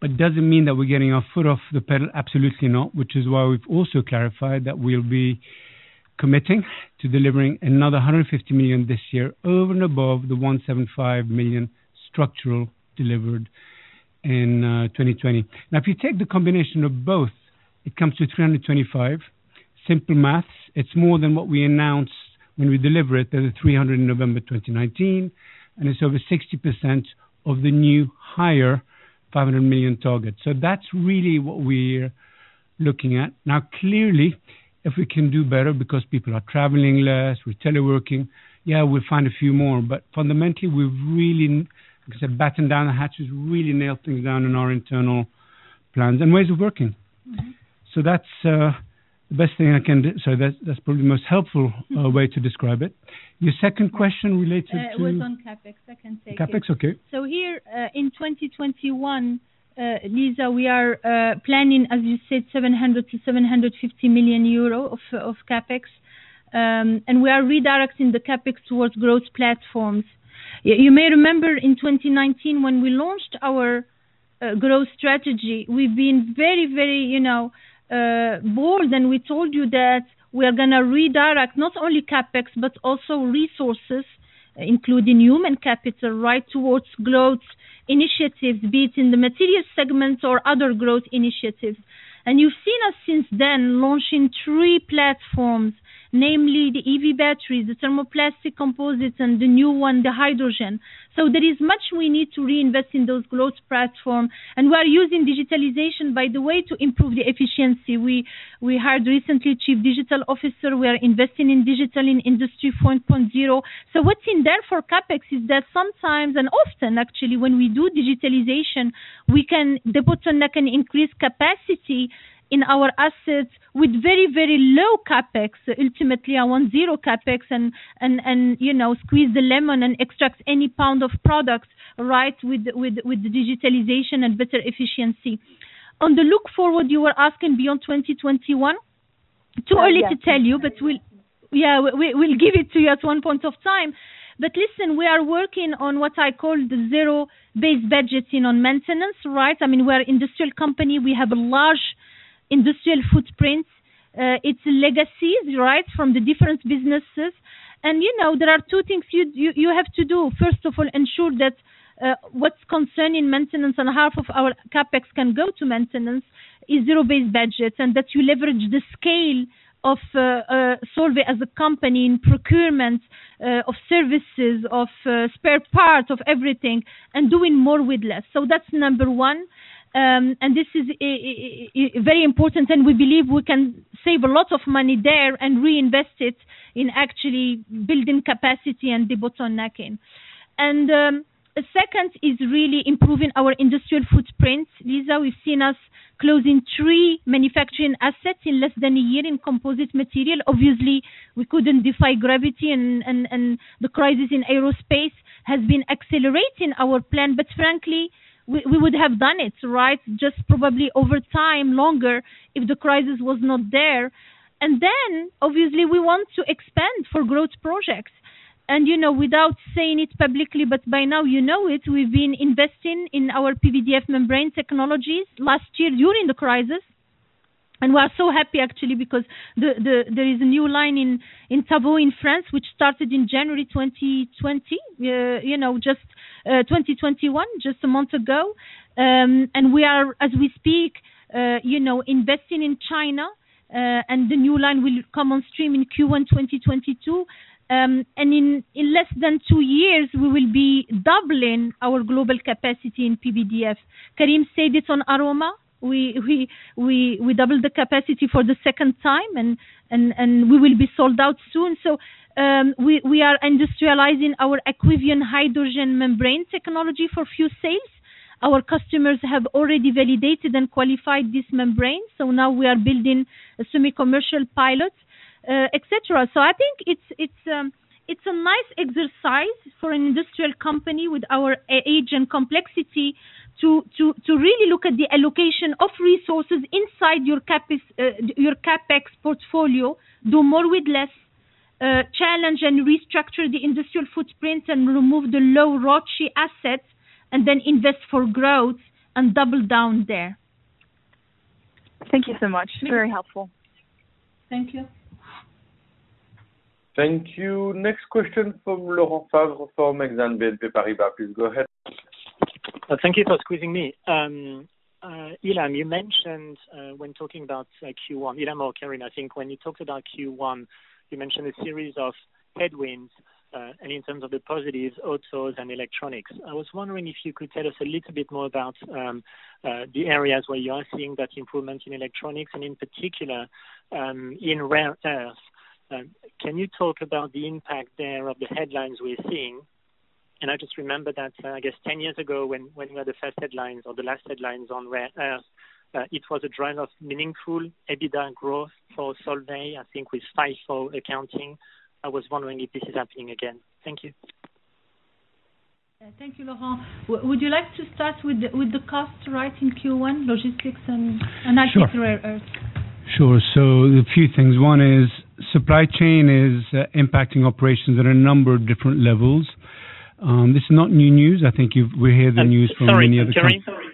Does it mean that we're getting our foot off the pedal? Absolutely not, which is why we've also clarified that we'll be committing to delivering another 150 million this year over and above the 175 million structural delivered in 2020. If you take the combination of both, it comes to 325. Simple math. It's more than what we announced when we delivered the 300 in November 2019, and it's over 60% of the new, higher 500 million target. That's really what we're looking at. Clearly, if we can do better because people are traveling less, we're teleworking, yeah, we'll find a few more. Fundamentally, we've really, like I said, batten down the hatches, really nailed things down in our internal plans and ways of working. That's probably the most helpful way to describe it. Your second question related to.
It was on CapEx, I can take it.
CapEx, okay.
Here, in 2021, Lisa, we are planning, as you said, 700 million-750 million euro of CapEx, and we are redirecting the CapEx towards growth platforms. You may remember in 2019 when we launched our growth strategy, we've been very bold, and we told you that we are going to redirect not only CapEx but also resources, including human capital, towards growth initiatives, be it in the materials segment or other growth initiatives. You've seen us since then launching three platforms, namely the EV batteries, the thermoplastic composites, and the new one, the hydrogen. There is much we need to reinvest in those growth platforms. We're using digitalization, by the way, to improve the efficiency. We hired recently a chief digital officer. We are investing in digital in Industry 4.0. What's in there for CapEx is that sometimes, and often actually, when we do digitalization, we can debottleneck and increase capacity in our assets with very low CapEx. Ultimately, I want zero CapEx and squeeze the lemon and extract any pound of products with the digitalization and better efficiency. On the look forward, you were asking beyond 2021? Too early to tell you, but we'll give it to you at one point of time. Listen, we are working on what I call the zero-based budgeting on maintenance. We're an industrial company. We have a large industrial footprint. It's legacies from the different businesses. There are two things you have to do. Ensure that what's concerning maintenance, and half of our CapEx can go to maintenance, is zero-based budgets, that you leverage the scale of Solvay as a company in procurement of services, of spare parts, of everything, doing more with less. That's number one, this is very important, we believe we can save a lot of money there and reinvest it in actually building capacity and debottlenecking. The second is really improving our industrial footprint. Lisa, you've seen us closing three manufacturing assets in less than a year in composite material. Obviously, we couldn't defy gravity, the crisis in aerospace has been accelerating our plan. Frankly, we would have done it, just probably over time longer if the crisis was not there. And then, obviously, we want to expand for growth projects. Without saying it publicly, but by now you know it, we've been investing in our PVDF membrane technologies last year during the crisis. We are so happy actually because there is a new line in Tavaux in France, which started in January 2021, just a month ago. We are, as we speak, investing in China, and the new line will come on stream in Q1 2022. In less than two years, we will be doubling our global capacity in PVDF. Karim said it on Aroma. We doubled the capacity for the second time, and we will be sold out soon. We are industrializing our Aquivion hydrogen membrane technology for fuel cells. Our customers have already validated and qualified this membrane, so now we are building a semi-commercial pilot, et cetera. I think it's a nice exercise for an industrial company with our age and complexity to really look at the allocation of resources inside your CapEx portfolio, do more with less, challenge and restructure the industrial footprint and remove the low-ROIC assets, and then invest for growth and double down there.
Thank you so much. Very helpful.
Thank you.
Thank you. Next question from Laurent Favre for Exane BNP Paribas. Please go ahead.
Thank you for squeezing me in. Ilham or Karim, when you talked about Q1, you mentioned a series of headwinds, and in terms of the positives, autos and electronics. I was wondering if you could tell us a little bit more about the areas where you are seeing that improvement in electronics and in particular, in Rare Earths. Can you talk about the impact there of the headlines we're seeing? I just remember that, I guess 10 years ago when we had the first headlines or the last headlines on Rare Earths, it was a driver of meaningful EBITDA growth for Solvay, I think with FIFO accounting. I was wondering if this is happening again. Thank you.
Thank you, Laurent. Would you like to start with the cost, right, in Q1 logistics.
Sure.
Rare Earths?
Sure. A few things. One is supply chain is impacting operations at a number of different levels. This is not new news. I think we hear the news from many other.
Sorry, Karim.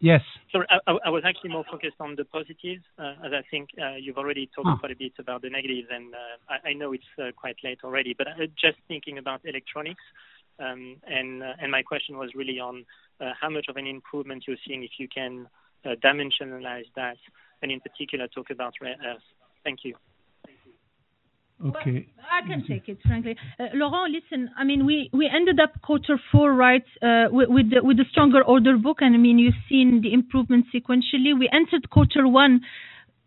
Yes.
Sorry. I was actually more focused on the positives, as I think you've already talked quite a bit about the negatives, and I know it's quite late already, but just thinking about electronics, and my question was really on how much of an improvement you're seeing, if you can dimensionalize that and in particular talk about Rare Earths. Thank you.
Okay.
I can take it, frankly. Laurent, listen, we ended up quarter four with a stronger order book, you've seen the improvement sequentially. We entered quarter one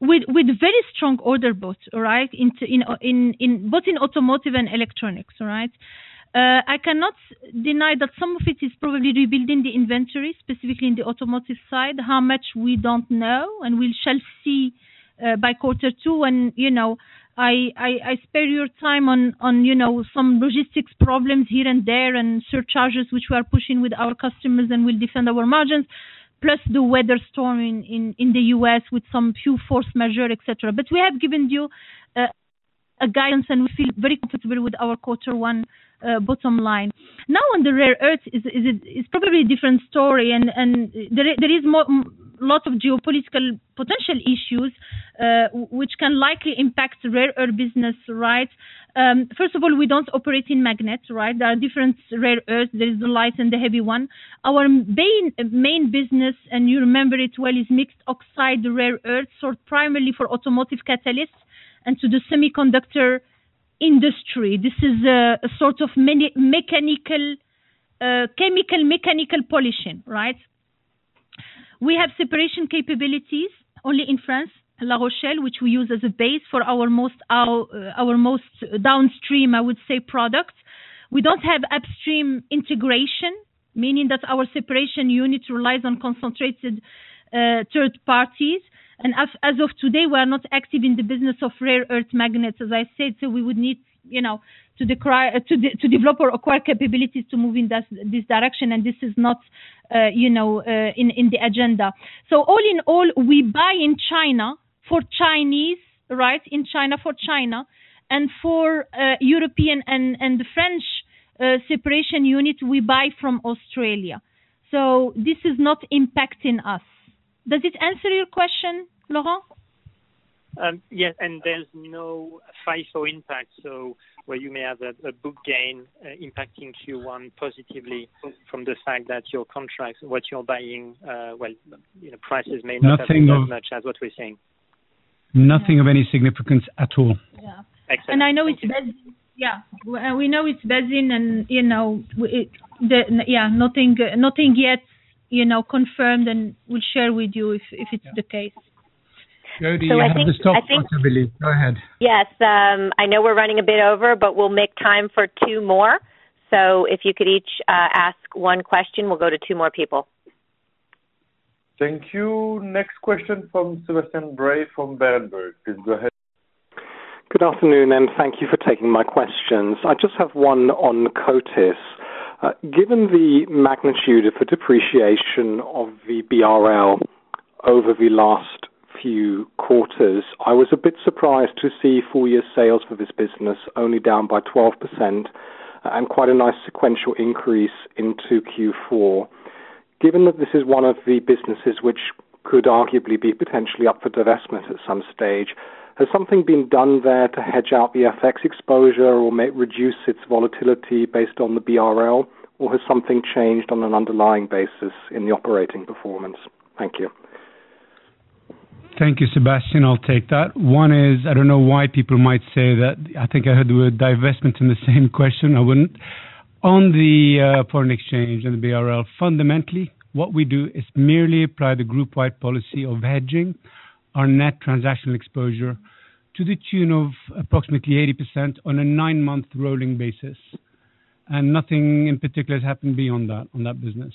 with very strong order books, both in automotive and electronics. I cannot deny that some of it is probably rebuilding the inventory, specifically in the automotive side. How much? We don't know, we shall see by quarter two. I spare you time on some logistics problems here and there and surcharges which we are pushing with our customers and will defend our margins, plus the weather storm in the U.S. with some few force majeure, et cetera. We have given you a guidance, we feel very comfortable with our quarter one bottom line. On the Rare Earths, it's probably a different story, there is lots of geopolitical potential issues which can likely impact Rare Earths business. First of all, we don't operate in magnets. There are different Rare Earths. There is the light and the heavy one. Our main business, and you remember it well, is mixed oxide Rare Earths, sold primarily for automotive catalysts and to the semiconductor industry. This is a sort of chemical mechanical polishing. We have separation capabilities only in France, La Rochelle, which we use as a base for our most downstream, I would say, products. We don't have upstream integration, meaning that our separation units relies on concentrated third parties, and as of today, we are not active in the business of Rare Earths magnets, as I said. We would need to develop or acquire capabilities to move in this direction, and this is not in the agenda. All in all, we buy in China for Chinese, in China for China, and for European and the French separation unit, we buy from Australia. This is not impacting us. Does it answer your question, Laurent?
Yes. There's no FIFO impact, so where you may have a book gain impacting Q1 positively from the fact that your contracts, what you're buying, prices may not have moved as much as what we're seeing.
Nothing of any significance at all.
Yeah.
Excellent.
We know it's buzzing and nothing yet confirmed, and we'll share with you if it's the case.
Jodi, I have the stop watch, I believe. Go ahead.
Yes. I know we're running a bit over, we'll make time for two more. If you could each ask one question, we'll go to two more people.
Thank you. Next question from Sebastian Bray from Berenberg. Please go ahead.
Good afternoon, thank you for taking my questions. I just have one on Coatis. Given the magnitude of the depreciation of the BRL over the last few quarters, I was a bit surprised to see full year sales for this business only down by 12% and quite a nice sequential increase into Q4. Given that this is one of the businesses which could arguably be potentially up for divestment at some stage, has something been done there to hedge out the FX exposure or reduce its volatility based on the BRL? Has something changed on an underlying basis in the operating performance? Thank you.
Thank you, Sebastian, I'll take that. One is, I don't know why people might say that. I think I heard the word divestment in the same question, I wouldn't. On the foreign exchange and the BRL, fundamentally, what we do is merely apply the group-wide policy of hedging our net transactional exposure to the tune of approximately 80% on a nine-month rolling basis. Nothing in particular has happened beyond that on that business.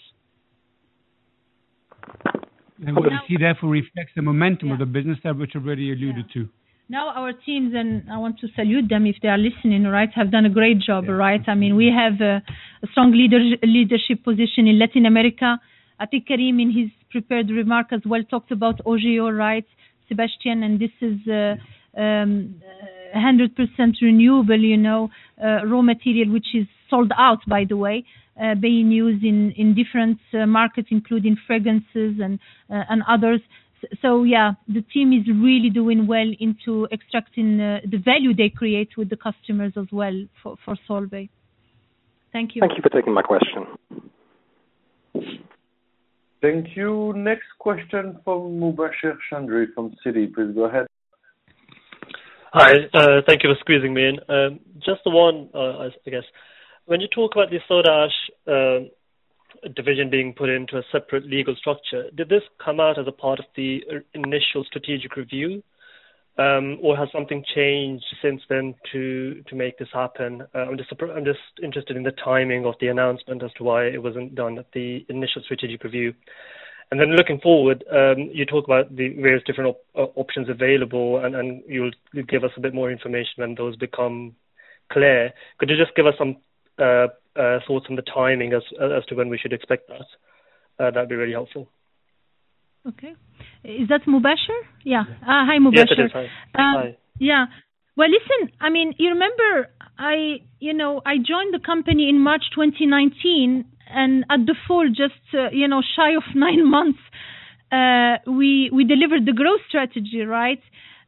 What you see therefore reflects the momentum of the business there, which I've already alluded to.
Our teams, and I want to salute them if they are listening, have done a great job. We have a strong leadership position in Latin America. I think Karim in his prepared remarks as well talked about Augeo, Sebastian, this is 100% renewable raw material, which is sold out, by the way, being used in different markets, including fragrances and others. Yeah, the team is really doing well into extracting the value they create with the customers as well for Solvay. Thank you.
Thank you for taking my question.
Thank you. Next question from Mubasher Chaudhry from Citi. Please go ahead.
Hi. Thank you for squeezing me in. Just the one, I guess. When you talk about the Soda Ash division being put into a separate legal structure, did this come out as a part of the initial strategic review, or has something changed since then to make this happen? I'm just interested in the timing of the announcement as to why it wasn't done at the initial strategic review. Then looking forward, you talk about the various different options available, and you'll give us a bit more information when those become clear. Could you just give us some thoughts on the timing as to when we should expect that? That'd be really helpful.
Okay. Is that Mubasher?
Yeah.
Hi, Mubasher.
Yes, it is. Hi.
Well, listen, you remember I joined the company in March 2019, at the fall, just shy of nine months, we delivered the growth strategy, right?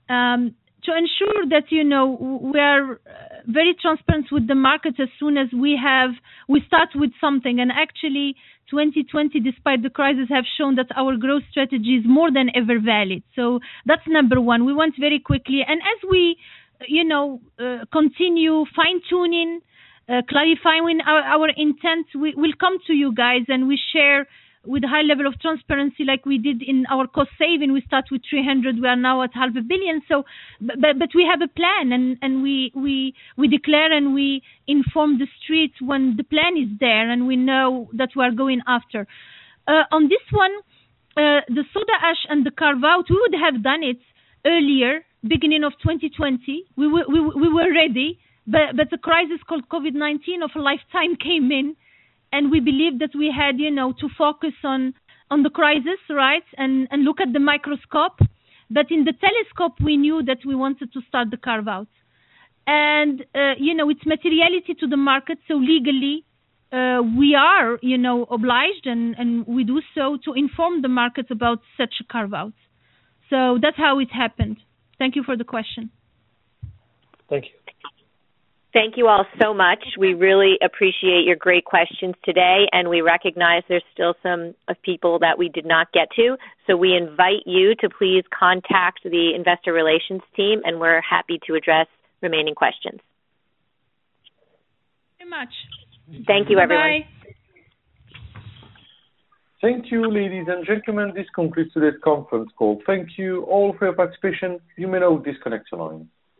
To ensure that we are very transparent with the market as soon as we start with something. Actually, 2020, despite the crisis, have shown that our growth strategy is more than ever valid. That's number one. We went very quickly. As we continue fine-tuning, clarifying our intent, we'll come to you guys, and we share with a high level of transparency like we did in our cost saving. We start with 300; we are now at 0.5 billion. We have a plan, and we declare and we inform the street when the plan is there, and we know that we are going after. On this one, the Soda Ash and the carve-out, we would have done it earlier, beginning of 2020. We were ready. The crisis called COVID-19 of a lifetime came in, and we believed that we had to focus on the crisis, right? Look at the microscope. In the telescope, we knew that we wanted to start the carve-out. It's materiality to the market, so legally, we are obliged, and we do so to inform the market about such a carve-out. That's how it happened. Thank you for the question.
Thank you.
Thank you all so much. We really appreciate your great questions today, and we recognize there's still some people that we did not get to. We invite you to please contact the Investor Relations team, and we're happy to address remaining questions.
Thank you very much.
Thank you, everyone.
Bye.
Thank you, ladies and gentlemen. This concludes today's conference call. Thank you all for your participation. You may now disconnect your line.